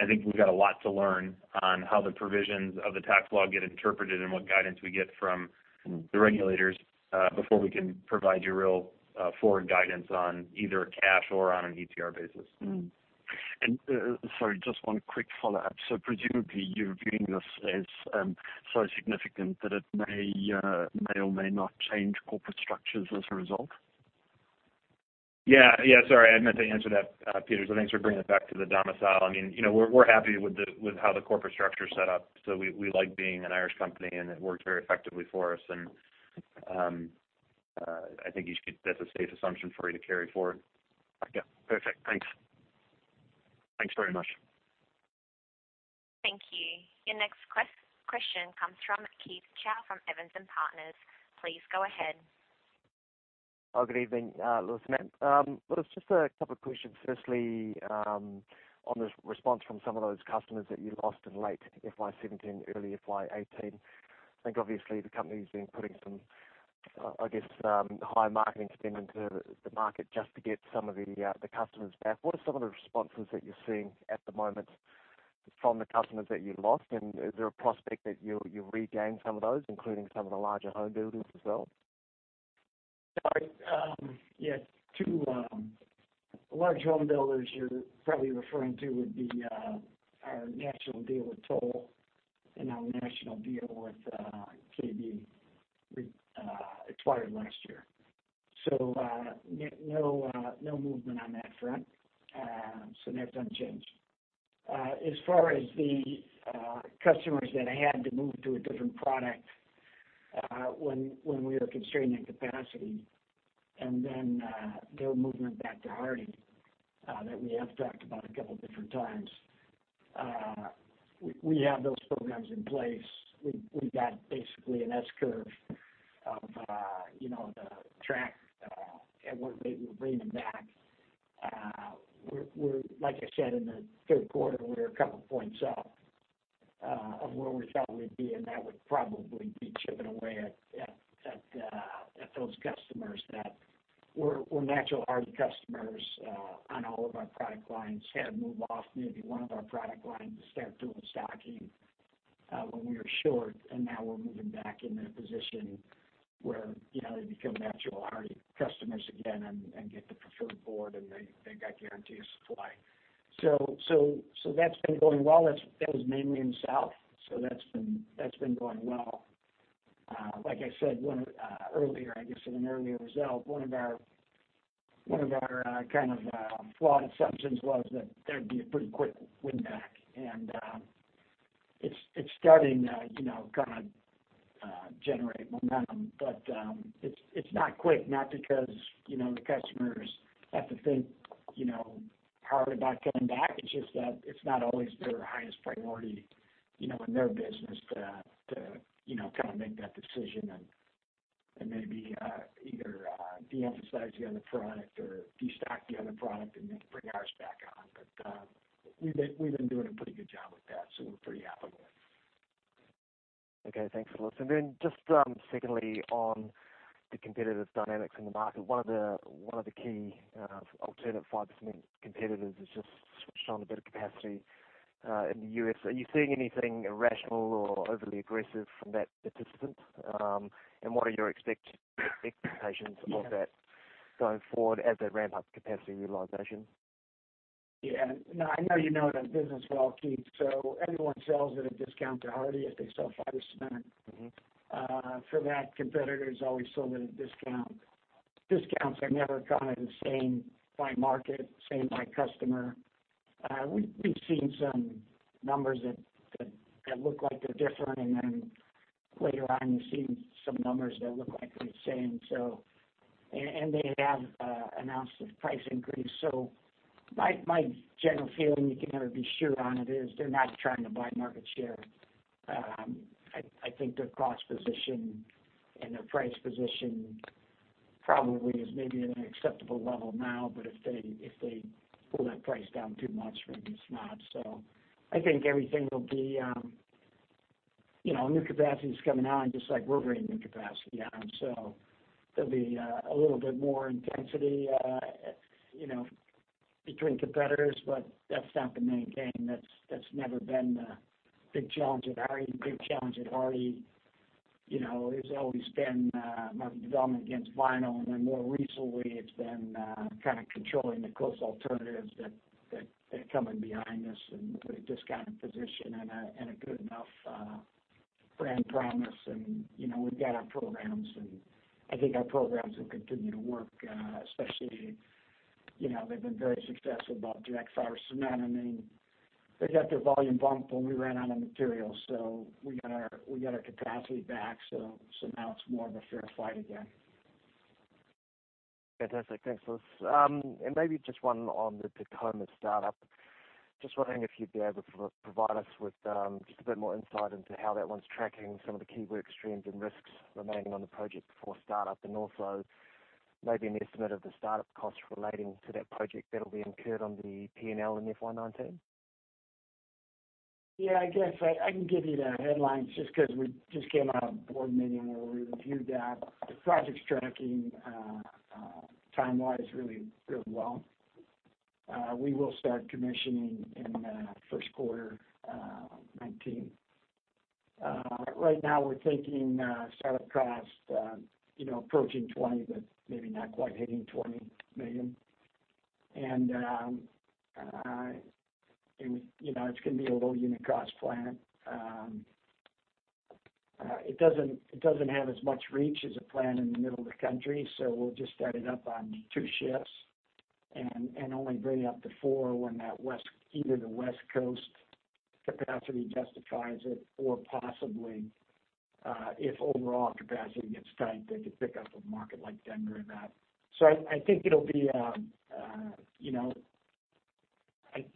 I think we've got a lot to learn on how the provisions of the tax law get interpreted and what guidance we get from the regulators, before we can provide you real forward guidance on either a cash or on an ETR basis. And, sorry, just one quick follow-up. So presumably you're viewing this as so significant that it may or may not change corporate structures as a result? Yeah. Yeah, sorry, I meant to answer that, Peter, so thanks for bringing it back to the domicile. I mean, you know, we're happy with how the corporate structure is set up. So we like being an Irish company, and it works very effectively for us, and I think you should- that's a safe assumption for you to carry forward. Yeah. Perfect. Thanks. Thanks very much. Thank you. Your next question comes from Keith Chau from Evans and Partners. Please go ahead. Oh, good evening, Louis and Matt. Well, it's just a couple questions. Firstly, on the response from some of those customers that you lost in late FY seventeen, early FY eighteen, I think obviously the company's been putting some, I guess, high marketing spend into the market just to get some of the customers back. What are some of the responses that you're seeing at the moment from the customers that you lost, and is there a prospect that you'll regain some of those, including some of the larger home builders as well? Sorry. Yeah, two large home builders you're probably referring to would be our national deal with Toll and our national deal with KB, acquired last year. No movement on that front. They haven't changed. As far as the customers that had to move to a different product when we were constrained in capacity, and then their movement back to Hardie that we have talked about a couple different times. We have those programs in place. We've got basically an S curve of, you know, the track, and we're bringing back. Like I said, in the third quarter, we were a couple points off of where we thought we'd be, and that would probably be chipping away at those customers that were natural Hardie customers on all of our product lines, had moved off maybe one of our product lines to start doing stocking when we were short, and now we're moving back in a position where, you know, they become natural Hardie customers again and get the preferred board, and they got guaranteed supply. So that's been going well. That was mainly in the south, so that's been going well. Like I said, when earlier, I guess in an earlier result, one of our kind of flawed assumptions was that there'd be a pretty quick win back, and it's starting you know kind of generate momentum, but it's not quick, not because you know the customers have to think you know hard about coming back. It's just that it's not always their highest priority you know in their business to you know kind of make that decision and maybe either de-emphasize the other product or destock the other product and then bring ours back on. But we've been doing a pretty good job with that, so we're pretty happy with it. Okay, thanks a lot. So then, just, secondly, on the competitive dynamics in the market, one of the key alternative fiber cement competitors has just switched on a bit of capacity in the US. Are you seeing anything irrational or overly aggressive from that participant? And what are your expectations of that going forward as they ramp up capacity utilization? Yeah, no, I know you know that business well, Keith, so anyone sells at a discount to Hardie if they sell fiber cement. Mm-hmm. For that competitor has always sold at a discount. Discounts are never kind of the same by market, same by customer. We, we've seen some numbers that look like they're different, and then later on, you've seen some numbers that look like they're the same. And they have announced a price increase. So my general feeling, you can never be sure on it, is they're not trying to buy market share. I think their cost position and their price position probably is maybe at an acceptable level now, but if they pull that price down too much, then it's not. So I think everything will be, you know, new capacity is coming on, just like we're bringing new capacity on. So there'll be a little bit more intensity, you know, between competitors, but that's not the main thing. That's never been the big challenge at Hardie. The big challenge at Hardie, you know, has always been market development against vinyl, and then more recently, it's been kind of controlling the close alternatives that are coming behind us and with a discounted position and a good enough brand promise. And, you know, we've got our programs, and I think our programs will continue to work, especially, you know, they've been very successful about fiber cement. I mean, they got their volume bump when we ran out of material, so we got our capacity back, so now it's more of a fair fight again. Fantastic. Thanks, Louis. Maybe just one on the Tacoma startup. Just wondering if you'd be able to provide us with just a bit more insight into how that one's tracking, some of the key work streams and risks remaining on the project before startup, and also maybe an estimate of the startup costs relating to that project that'll be incurred on the P&L in FY 2019? Yeah, I guess I can give you the headlines just 'cause we just came out of a board meeting where we reviewed that. The project's tracking time-wise really, really well. We will start commissioning in first quarter 2019. Right now we're thinking startup costs you know approaching $20 million, but maybe not quite hitting $20 million. And you know it's gonna be a low unit cost plant. It doesn't have as much reach as a plant in the middle of the country, so we'll just start it up on two shifts and only bring it up to four when that west—either the West Coast capacity justifies it, or possibly if overall capacity gets tight, they could pick up a market like Denver and that. I think it'll be.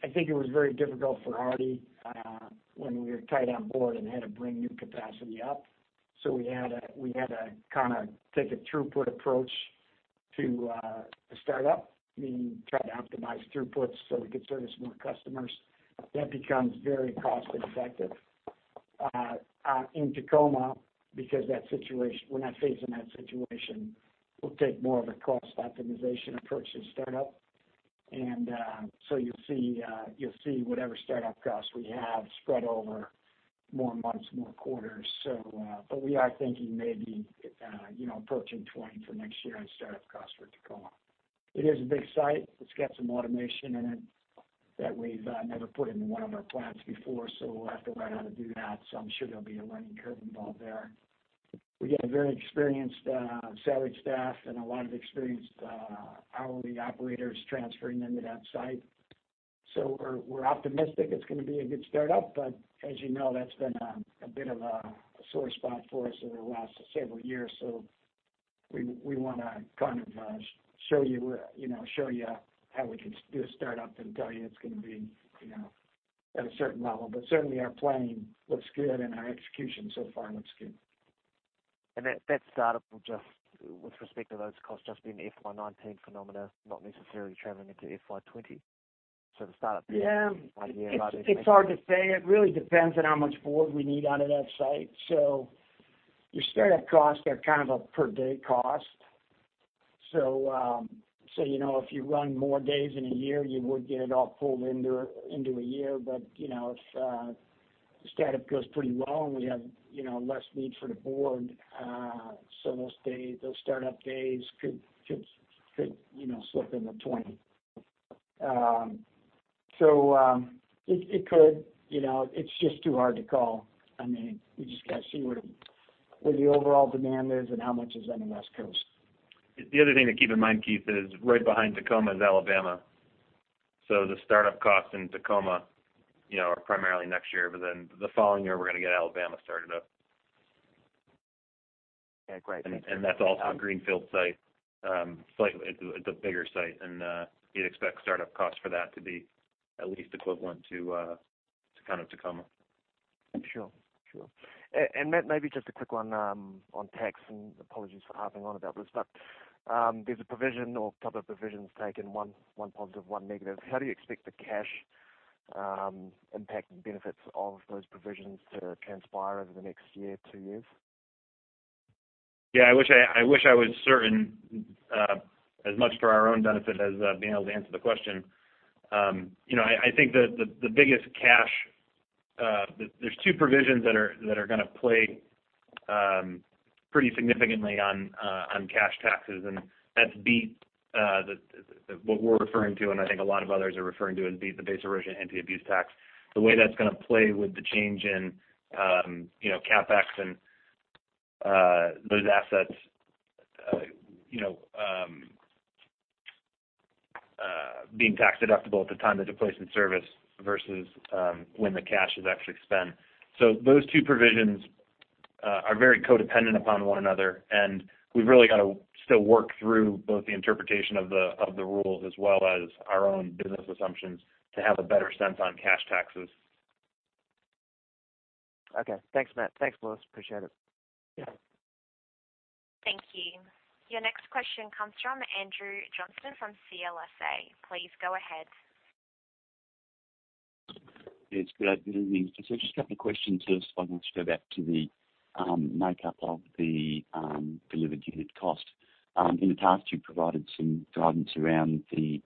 I think it was very difficult for Hardie when we were tight on board and had to bring new capacity up, so we had to kind of take a throughput approach to the startup, meaning try to optimize throughput so we could service more customers. That becomes very cost ineffective. In Tacoma, because that situation, we're not facing that situation, we'll take more of a cost optimization approach to the startup. So you'll see whatever startup costs we have spread over more months, more quarters. But we are thinking maybe approaching 20 for next year in startup costs for Tacoma. It is a big site. It's got some automation in it that we've never put in one of our plants before, so we'll have to learn how to do that. So I'm sure there'll be a learning curve involved there. We get a very experienced salaried staff and a lot of experienced hourly operators transferring into that site. So we're optimistic it's gonna be a good startup, but as you know, that's been a bit of a sore spot for us over the last several years. So we wanna kind of show you, you know, show you how we can do a startup and tell you it's gonna be at a certain level. But certainly, our planning looks good, and our execution so far looks good. That startup will just, with respect to those costs, just be an FY 2019 phenomenon, not necessarily traveling into FY 2020? So the startup there- Yeah. Right here, right- It's hard to say. It really depends on how much board we need out of that site, so your startup costs are kind of a per-day cost, so, so you know, if you run more days in a year, you would get it all pulled into a year, but, you know, if the startup goes pretty well, we have, you know, less need for the board, so those days, those startup days could, you know, slip into twenty, so it could, you know, it's just too hard to call. I mean, we just got to see what the overall demand is and how much is on the West Coast. The other thing to keep in mind, Keith, is right behind Tacoma is Alabama. So the startup costs in Tacoma, you know, are primarily next year, but then the following year, we're gonna get Alabama started up. Yeah, great. That's also a greenfield site. Slightly, it's a bigger site, and you'd expect startup costs for that to be at least equivalent to kind of Tacoma. Sure, sure. And Matt, maybe just a quick one on tax, and apologies for harping on about this, but there's a provision or a couple of provisions taken, one positive, one negative. How do you expect the cash impact and benefits of those provisions to transpire over the next year, two years? Yeah, I wish I was certain, as much for our own benefit as being able to answer the question. You know, I think the biggest cash, there's two provisions that are gonna play pretty significantly on cash taxes, and that's BEAT the what we're referring to, and I think a lot of others are referring to, is the Base Erosion and Anti-Abuse Tax. The way that's gonna play with the change in, you know, CapEx and those assets, you know, being tax deductible at the time they're placed in service versus when the cash is actually spent. Those two provisions are very codependent upon one another, and we've really got to still work through both the interpretation of the rules as well as our own business assumptions to have a better sense on cash taxes. Okay. Thanks, Matt. Thanks, Louis. Appreciate it. Thank you. Your next question comes from Andrew Johnston from CLSA. Please go ahead. Yes, good evening. So just a couple of questions. Just, I want to go back to the makeup of the delivered unit cost. In the past, you've provided some guidance around the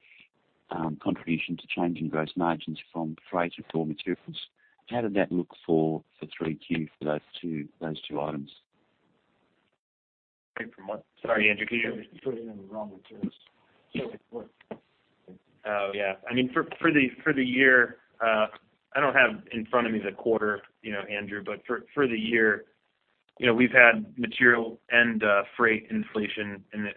contribution to change in gross margins from freight to raw materials. How did that look for 3Q for those two items? Sorry, Andrew, can you- Put it in the wrong terms. So what? Oh, yeah. I mean, for the year, I don't have in front of me the quarter, you know, Andrew, but for the year, you know, we've had material and freight inflation and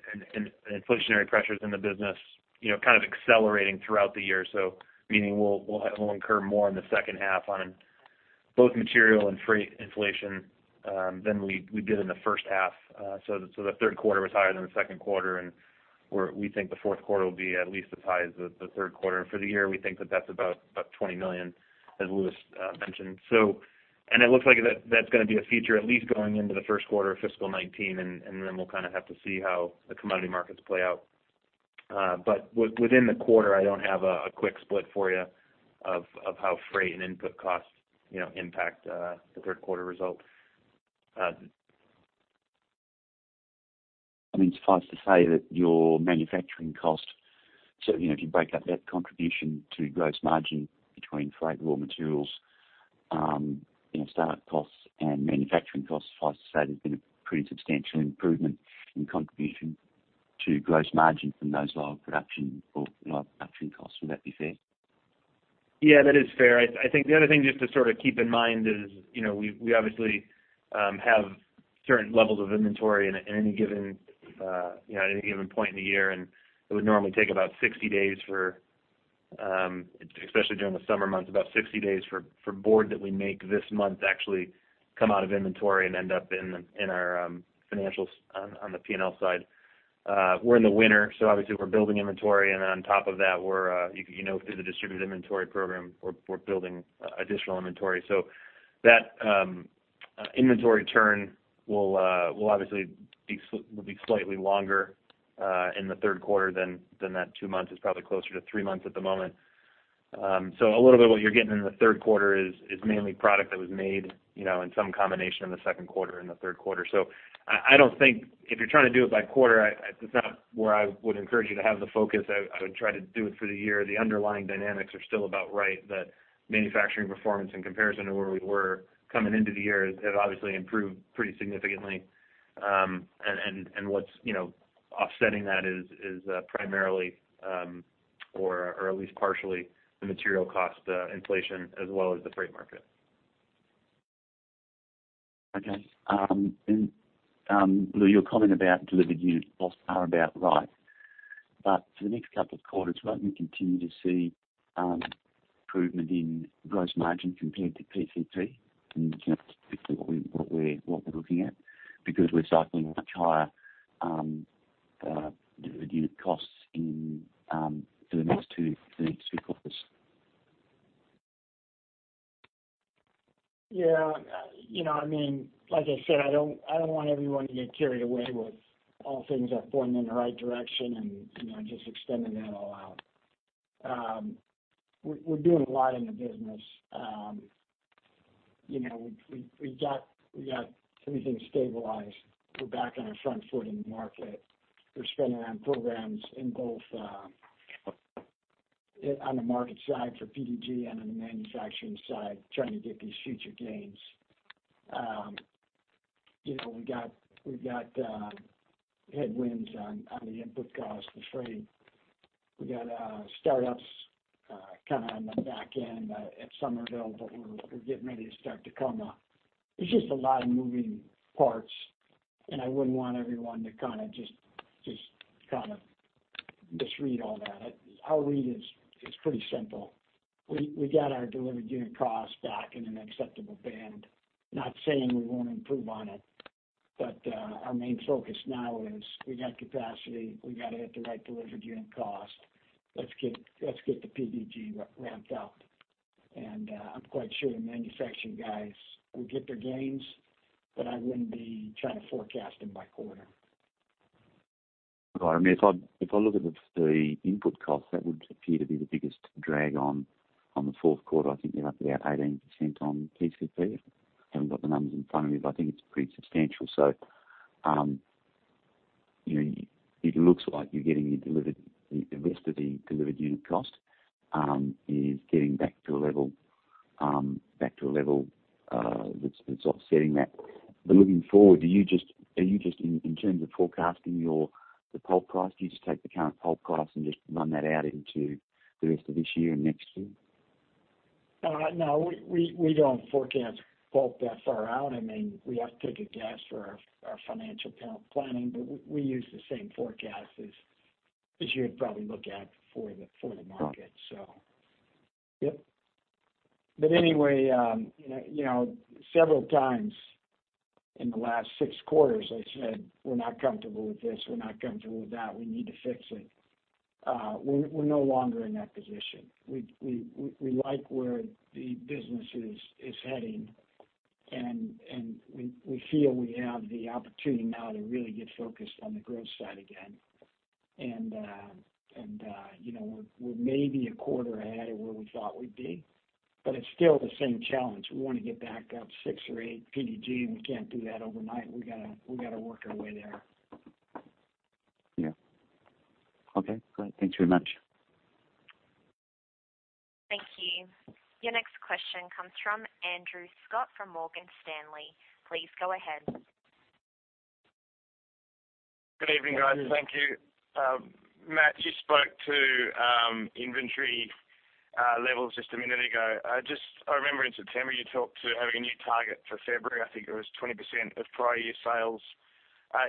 inflationary pressures in the business, you know, kind of accelerating throughout the year. So meaning, we'll incur more in the second half on both material and freight inflation than we did in the first half. So the third quarter was higher than the second quarter, and we think the fourth quarter will be at least as high as the third quarter. And for the year, we think that's about $20 million, as Louis mentioned. It looks like that's gonna be a feature, at least going into the first quarter of fiscal 2019, and then we'll kind of have to see how the commodity markets play out. But within the quarter, I don't have a quick split for you of how freight and input costs, you know, impact the third quarter result. I mean, suffice to say that your manufacturing cost, so, you know, if you break up that contribution to gross margin between freight, raw materials, you know, startup costs and manufacturing costs, suffice to say, there's been a pretty substantial improvement in contribution to gross margin from those lower production costs. Would that be fair? Yeah, that is fair. I think the other thing just to sort of keep in mind is, you know, we've obviously have certain levels of inventory in at any given, you know, at any given point in the year. And it would normally take about 60 days for, especially during the summer months, about 60 days for board that we make this month, actually come out of inventory and end up in the, in our financials on the P&L side. We're in the winter, so obviously, we're building inventory, and on top of that, you know, through the distributed inventory program, we're building additional inventory. So that, inventory turn will obviously be slightly longer in the third quarter than that two months. It's probably closer to three months at the moment. So a little bit of what you're getting in the third quarter is mainly product that was made, you know, in some combination in the second quarter and the third quarter. So I don't think if you're trying to do it by quarter, that's not where I would encourage you to have the focus. I would try to do it for the year. The underlying dynamics are still about right, that manufacturing performance in comparison to where we were coming into the year has obviously improved pretty significantly. And what's, you know, offsetting that is primarily, or at least partially the material cost inflation, as well as the freight market. Okay. And, Louis, your comment about delivered unit costs are about right. But for the next couple of quarters, won't we continue to see improvement in gross margin compared to PCP? Can you speak to what we're looking at? Because we're cycling much higher unit costs in for the next two, the next three quarters. Yeah. You know, I mean, like I said, I don't, I don't want everyone to get carried away with all things are pointing in the right direction and, you know, just extending that all out. We're doing a lot in the business. You know, we've got everything stabilized. We're back on our front foot in the market. We're spending on programs in both, on the market side for PDG and on the manufacturing side, trying to get these future gains. You know, we've got headwinds on the input costs for freight. We got startups kind of on the back end at Somerville, but we're getting ready to start Tacoma. There's just a lot of moving parts, and I wouldn't want everyone to kind of just misread all that. Our read is pretty simple. We got our delivered unit cost back in an acceptable band, not saying we won't improve on it, but our main focus now is we got capacity, we got it at the right delivered unit cost. Let's get the PDG ramped up. I'm quite sure the manufacturing guys will get their gains, but I wouldn't be trying to forecast them by quarter. Got it. I mean, if I look at the input cost, that would appear to be the biggest drag on the fourth quarter. I think they're up to about 18% on PCP. I haven't got the numbers in front of me, but I think it's pretty substantial. So, it looks like you're getting your delivered, the rest of the delivered unit cost, is getting back to a level that's offsetting that. But looking forward, are you just in terms of forecasting your, the pulp price, do you just take the current pulp price and just run that out into the rest of this year and next year? No, we don't forecast pulp that far out. I mean, we have to take a guess for our financial count planning, but we use the same forecast as you'd probably look at for the market. Okay. So yep. But anyway, you know, several times in the last six quarters, I said, we're not comfortable with this, we're not comfortable with that. We need to fix it. We're no longer in that position. We like where the business is heading, and we feel we have the opportunity now to really get focused on the growth side again, and you know, we're maybe a quarter ahead of where we thought we'd be, but it's still the same challenge. We want to get back up six or eight PDG, and we can't do that overnight. We gotta work our way there. Yeah. Okay, great. Thanks very much. Thank you. Your next question comes from Andrew Scott from Morgan Stanley. Please go ahead. Good evening, guys. Thank you. Matt, you spoke to inventory levels just a minute ago. I just... I remember in September you talked to having a new target for February. I think it was 20% of prior year sales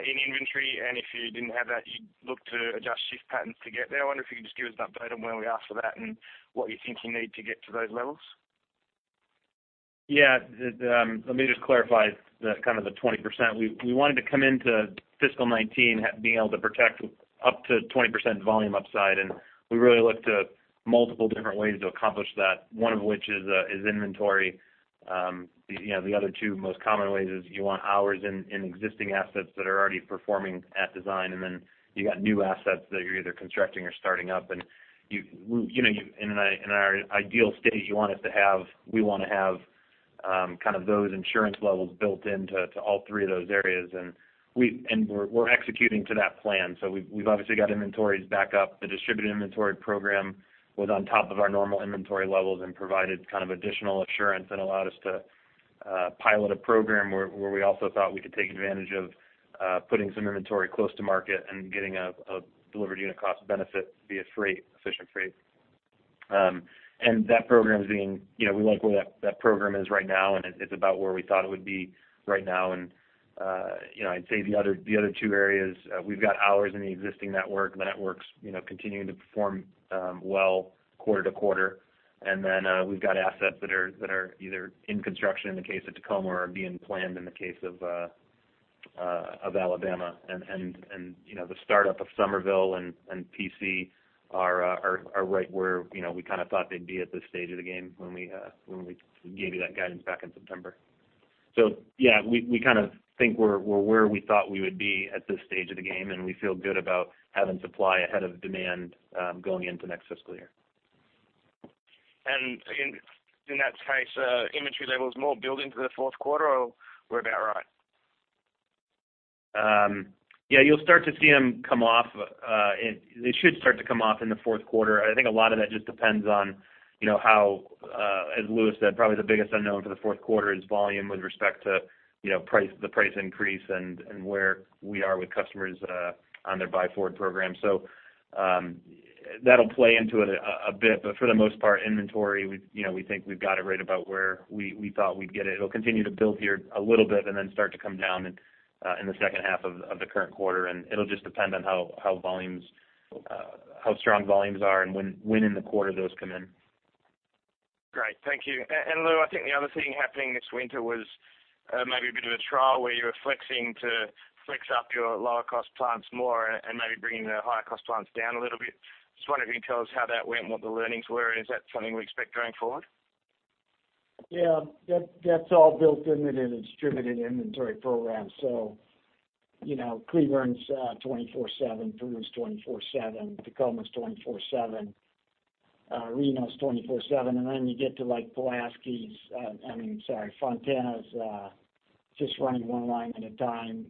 in inventory, and if you didn't have that, you'd look to adjust shift patterns to get there. I wonder if you could just give us an update on where we are for that and what you think you need to get to those levels? Yeah. The, let me just clarify the, kind of the 20%. We wanted to come into fiscal 2019 being able to protect up to 20% volume upside, and we really looked at multiple different ways to accomplish that. One of which is inventory. You know, the other two most common ways is you want hours in existing assets that are already performing at design, and then you got new assets that you're either constructing or starting up. And you know, you, in our ideal state, you want us to have we wanna have kind of those insurance levels built into all three of those areas. And we're executing to that plan. So we've obviously got inventories back up. The distributed inventory program was on top of our normal inventory levels and provided kind of additional assurance and allowed us to pilot a program where we also thought we could take advantage of putting some inventory close to market and getting a delivered unit cost benefit via freight, efficient freight, and that program is being, you know, we like where that program is right now, and it, it's about where we thought it would be right now, and you know, I'd say the other two areas, we've got hours in the existing network. The network's, you know, continuing to perform well quarter to quarter, and then we've got assets that are either in construction, in the case of Tacoma, or are being planned in the case of Alabama. You know, the startup of Somerville and Prattville are right where, you know, we kind of thought they'd be at this stage of the game when we gave you that guidance back in September. So yeah, we kind of think we're where we thought we would be at this stage of the game, and we feel good about having supply ahead of demand, going into next fiscal year. In that case, inventory levels more build into the fourth quarter, or we're about right? Yeah, you'll start to see them come off in the fourth quarter. They should start to come off in the fourth quarter. I think a lot of that just depends on, you know, how, as Louis said, probably the biggest unknown for the fourth quarter is volume with respect to, you know, price, the price increase and where we are with customers on their buy forward program. So, that'll play into it a bit, but for the most part, inventory, we, you know, we think we've got it right about where we thought we'd get it. It'll continue to build here a little bit, and then start to come down in the second half of the current quarter, and it'll just depend on how volumes, how strong volumes are and when in the quarter those come in. Great. Thank you and Lou, I think the other thing happening this winter was maybe a bit of a trial where you were flexing to flex up your lower cost plants more and maybe bringing the higher cost plants down a little bit. Just wonder if you can tell us how that went and what the learnings were, and is that something we expect going forward? Yeah, that, that's all built into the distributed inventory program. So, you know, Cleburne's 24/7, Peru's 24/7, Tacoma's 24/7, Reno's 24/7, and then you get to, like, Pulaski's, I mean, sorry, Fontana's just running one line at a time.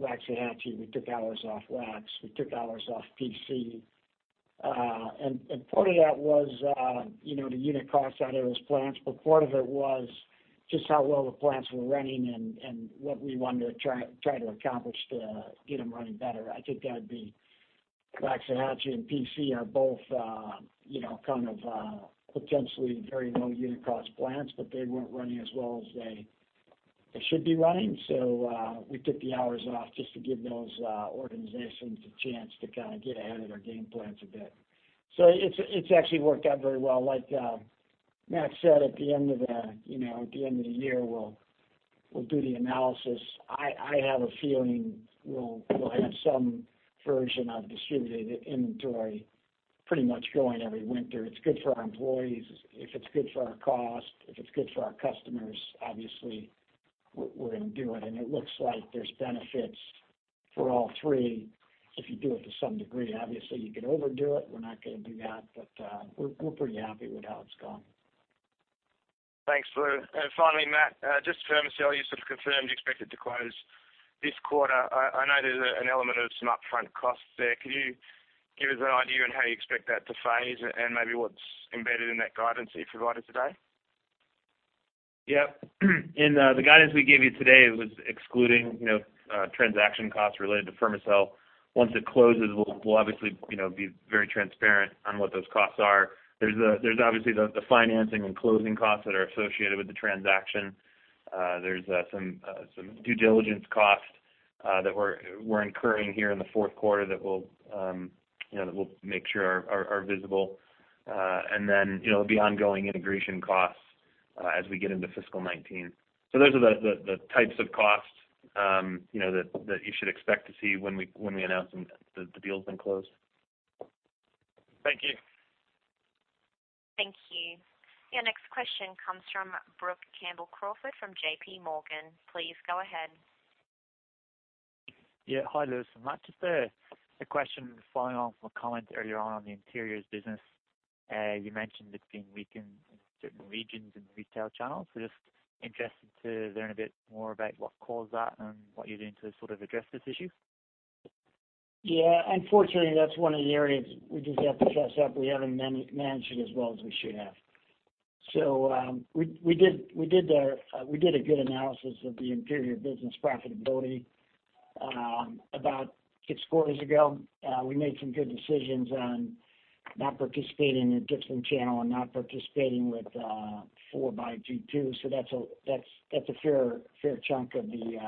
Waxahachie, we took hours off Wax, we took hours off PC. And part of that was, you know, the unit cost out of those plants, but part of it was just how well the plants were running and what we wanted to try to accomplish to get them running better. I think that'd be Waxahachie and PC are both, you know, kind of, potentially very low unit cost plants, but they weren't running as well as they should be running. So, we took the hours off just to give those organizations a chance to kind of get ahead of their game plans a bit. So it's actually worked out very well. Like, Matt said, at the end of the, you know, at the end of the year, we'll do the analysis. I have a feeling we'll have some version of distributed inventory pretty much going every winter. It's good for our employees. If it's good for our cost, if it's good for our customers, obviously we're gonna do it, and it looks like there's benefits for all three if you do it to some degree. Obviously, you can overdo it. We're not gonna do that, but we're pretty happy with how it's gone. Thanks, Lou. And finally, Matt, just to confirm the sale, you sort of confirmed you expect it to close this quarter. I know there's an element of some upfront costs there. Can you give us an idea on how you expect that to phase and maybe what's embedded in that guidance that you've provided today? Yep. In the guidance we gave you today was excluding, you know, transaction costs related to Fermacell. Once it closes, we'll obviously, you know, be very transparent on what those costs are. There's obviously the financing and closing costs that are associated with the transaction. There's some due diligence costs that we're incurring here in the fourth quarter that we'll, you know, make sure are visible. And then, you know, there'll be ongoing integration costs as we get into fiscal 2019. So those are the types of costs, you know, that you should expect to see when we announce them, the deal's been closed. Thank you. Thank you. Your next question comes from Brook Campbell-Crawford from J.P. Morgan. Please go ahead. Yeah. Hi, Louis and Matt, just a question following on from a comment earlier on the interiors business. You mentioned it's been weakened in certain regions and retail channels. So just interested to learn a bit more about what caused that and what you're doing to sort of address this issue. Yeah, unfortunately, that's one of the areas we just have to fess up, we haven't managed it as well as we should have. So, we did a good analysis of the interior business profitability about six quarters ago. We made some good decisions on not participating in a different channel and not participating with four by two two. So that's a fair chunk of the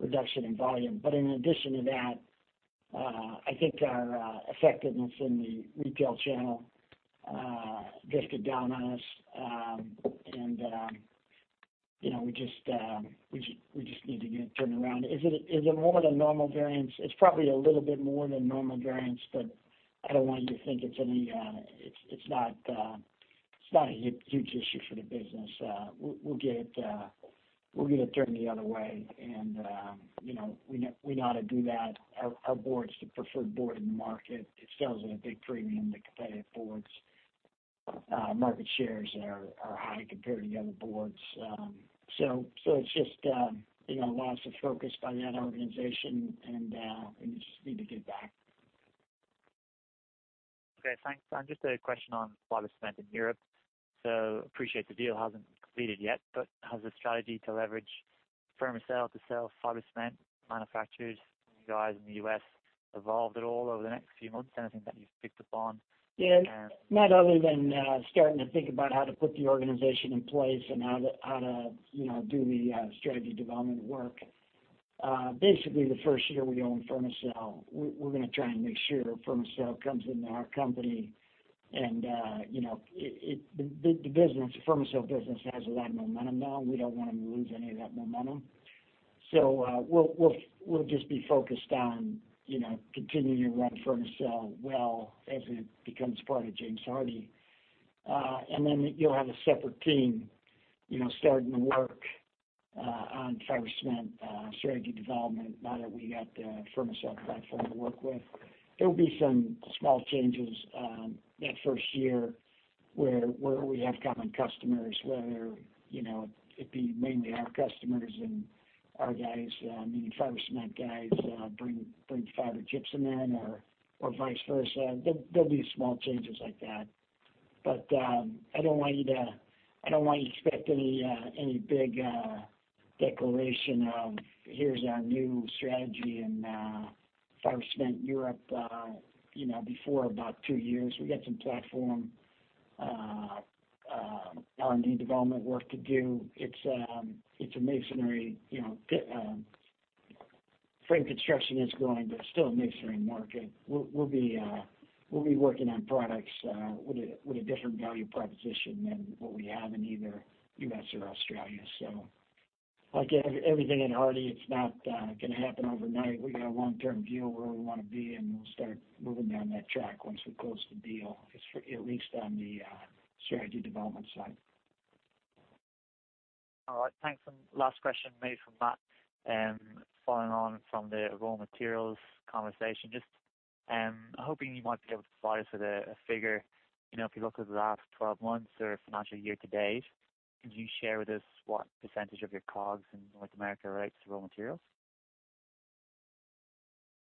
reduction in volume. But in addition to that, I think our effectiveness in the retail channel just got down on us. And you know, we just need to get it turned around. Is it more than normal variance? It's probably a little bit more than normal variance, but I don't want you to think it's any, it's not a huge issue for the business. We'll get it turned the other way. And you know, we know how to do that. Our boards, the preferred board in the market, it sells at a big premium to competitive boards. Market shares are high compared to the other boards. So it's just you know, a loss of focus by that organization, and we just need to get back. Okay, thanks. And just a question on fiber cement in Europe. So I appreciate the deal hasn't completed yet, but has the strategy to leverage Fermacell to sell fiber cement manufactured by you guys in the U.S., evolved at all over the next few months? Anything that you've picked up on? And- Yeah, not other than starting to think about how to put the organization in place and how to, you know, do the strategy development work. Basically, the first year we own Fermacell, we're gonna try and make sure Fermacell comes into our company. And, you know, it. The business, the Fermacell business has a lot of momentum now, and we don't want to lose any of that momentum. So, we'll just be focused on, you know, continuing to run Fermacell well as it becomes part of James Hardie. And then you'll have a separate team, you know, starting to work on fiber cement strategy development now that we got the Fermacell platform to work with. There will be some small changes that first year, where we have common customers, whether you know it'd be mainly our customers and our guys, meaning fiber cement guys, bring fiber gypsum in or vice versa. There'll be small changes like that. But I don't want you to expect any big declaration of here's our new strategy in fiber cement Europe, you know, before about two years. We got some platform R&D development work to do. It's a missionary, you know, frame construction is growing, but still a missionary market. We'll be working on products with a different value proposition than what we have in either U.S. or Australia. So like everything in Hardie, it's not gonna happen overnight. We got a long-term view of where we wanna be, and we'll start moving down that track once we close the deal, at least on the strategy development side. All right, thanks. And last question, maybe from Matt. Following on from the raw materials conversation, just hoping you might be able to provide us with a figure. You know, if you look at the last twelve months or financial year to date, could you share with us what percentage of your COGS in North America relates to raw materials?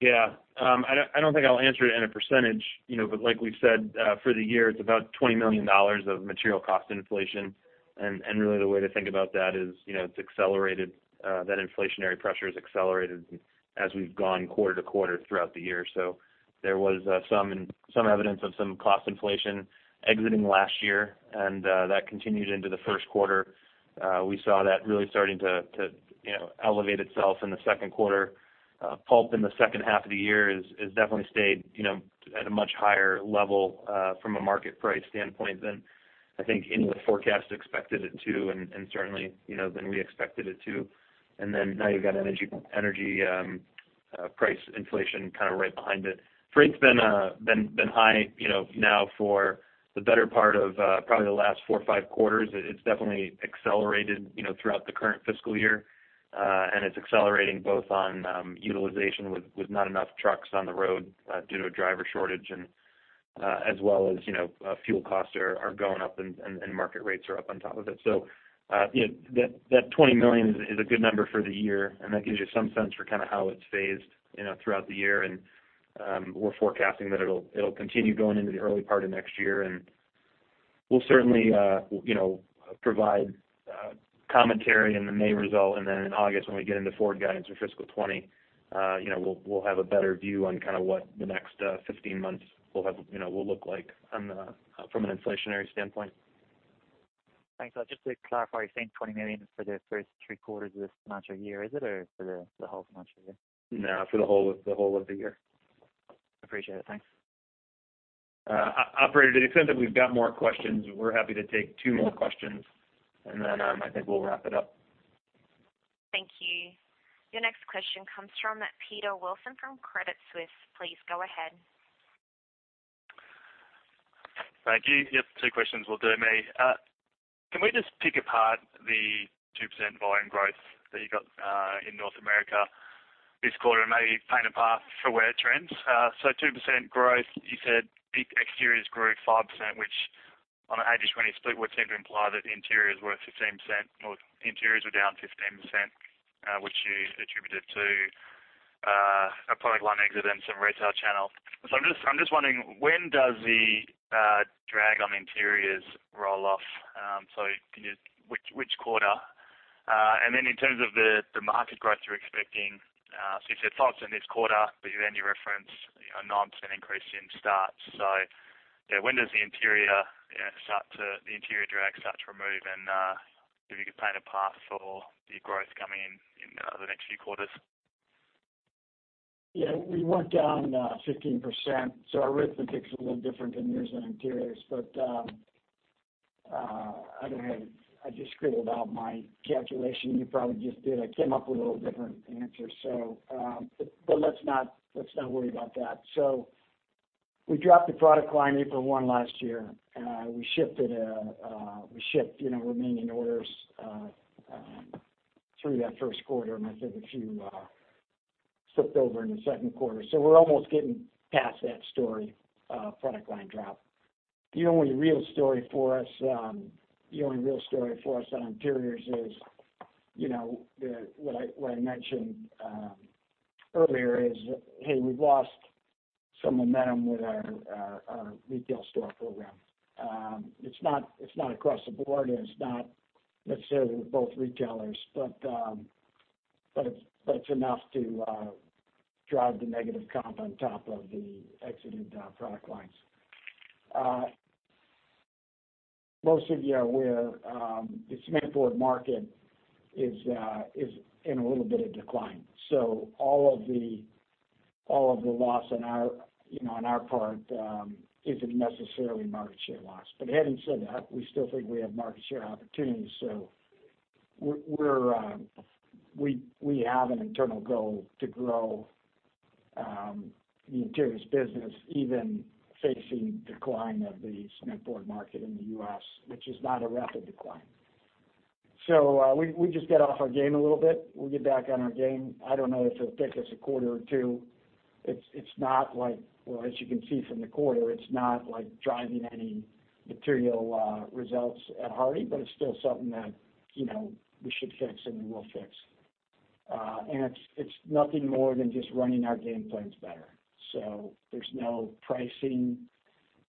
Yeah. I don't think I'll answer it in a percentage, you know, but like we've said, for the year, it's about $20 million of material cost inflation. And really the way to think about that is, you know, it's accelerated, that inflationary pressure has accelerated as we've gone quarter to quarter throughout the year. So there was some evidence of some cost inflation exiting last year, and that continued into the first quarter. We saw that really starting to, to, you know, elevate itself in the second quarter. Pulp in the second half of the year has definitely stayed, you know, at a much higher level, from a market price standpoint than I think any of the forecasts expected it to, and certainly, you know, than we expected it to. And then now you've got energy price inflation kind of right behind it. Freight's been high, you know, now for the better part of probably the last four or five quarters. It's definitely accelerated, you know, throughout the current fiscal year. And it's accelerating both on utilization with not enough trucks on the road due to a driver shortage and,... as well as, you know, fuel costs are going up and market rates are up on top of it. So, you know, that $20 million is a good number for the year, and that gives you some sense for kind of how it's phased, you know, throughout the year. And we're forecasting that it'll continue going into the early part of next year, and we'll certainly, you know, provide commentary in the May result. And then in August, when we get into forward guidance for fiscal 2020, you know, we'll have a better view on kind of what the next 15 months will have, you know, will look like from an inflationary standpoint. Thanks. So just to clarify, you're saying $20 million for the first three quarters of this financial year, is it? Or for the whole financial year? No, for the whole of the year. Appreciate it. Thanks. Operator, to the extent that we've got more questions, we're happy to take two more questions, and then, I think we'll wrap it up. Thank you. Your next question comes from Peter Wilson from Credit Suisse. Please go ahead. Thank you. Yep, two questions will do me. Can we just pick apart the 2% volume growth that you got in North America this quarter, and maybe paint a path for where it trends? So 2% growth, you said exteriors grew 5%, which on an 80-20 split, would seem to imply that the interiors were 15%... or interiors were down 15%, which you attributed to a product line exit and some retail channel. So I'm just wondering, when does the drag on interiors roll off? So can you—which quarter? And then in terms of the market growth you're expecting, so you said flats in this quarter, but then you reference a 9% increase in starts. So, yeah, when does the interior, you know, the interior drag start to remove? And, if you could paint a path for the growth coming in the next few quarters. Yeah, we went down 15%, so our arithmetic's a little different than yours on interiors. But I don't have. I just scribbled out my calculation. You probably just did. I came up with a little different answer. So, but, but let's not, let's not worry about that. So we dropped the product line April one last year. We shifted, we shipped, you know, remaining orders through that first quarter, and I think a few slipped over in the second quarter. So we're almost getting past that story of product line drop. The only real story for us, the only real story for us on interiors is, you know, the, what I, what I mentioned earlier is, hey, we've lost some momentum with our, our retail store program. It's not across the board, and it's not necessarily with both retailers, but it's enough to drive the negative comp on top of the exited product lines. Most of you are aware, the cement board market is in a little bit of decline. So all of the loss on our, you know, on our part, isn't necessarily market share loss. But having said that, we still think we have market share opportunities, so we have an internal goal to grow the interiors business, even facing decline of the cement board market in the U.S., which is not a rapid decline. So we just got off our game a little bit. We'll get back on our game. I don't know if it'll take us a quarter or two. It's not like... Well, as you can see from the quarter, it's not like driving any material results at Hardie, but it's still something that, you know, we should fix and we will fix. And it's nothing more than just running our game plans better. So there's no pricing,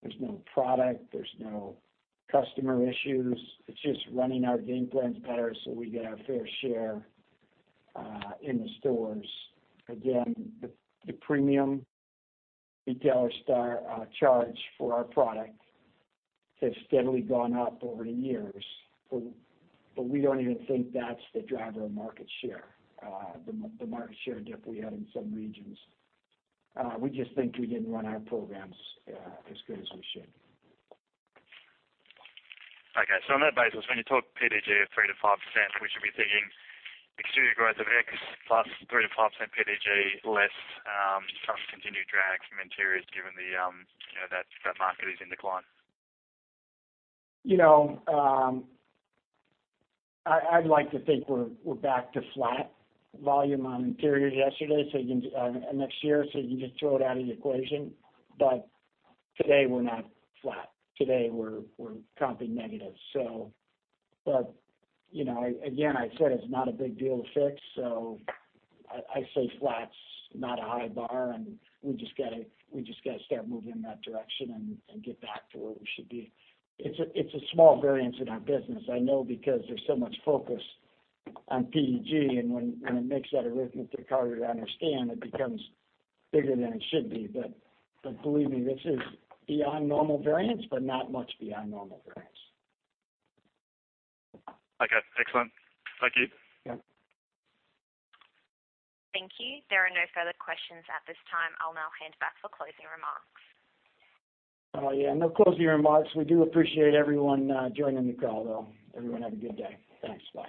there's no product, there's no customer issues. It's just running our game plans better so we get our fair share in the stores. Again, the premium retailer surcharge for our product has steadily gone up over the years. But we don't even think that's the driver of market share, the market share dip we had in some regions. We just think we didn't run our programs as good as we should. Okay. So on that basis, when you talk PDG of 3-5%, we should be thinking exterior growth of X plus 3-5% PDG, less, some continued drag from interiors, given the, you know, that market is in decline. You know, I'd like to think we're back to flat volume on interiors next year, so you can just throw it out of the equation, but today we're not flat. Today we're comping negative. You know, again, I said it's not a big deal to fix, so I say flat's not a high bar, and we just gotta start moving in that direction and get back to where we should be. It's a small variance in our business. I know because there's so much focus on PDG, and when it makes that arithmetic harder to understand, it becomes bigger than it should be, but believe me, this is beyond normal variance, but not much beyond normal variance. Okay, excellent. Thank you. Yeah. Thank you. There are no further questions at this time. I'll now hand back for closing remarks. Oh, yeah, no closing remarks. We do appreciate everyone joining the call, though. Everyone, have a good day. Thanks. Bye.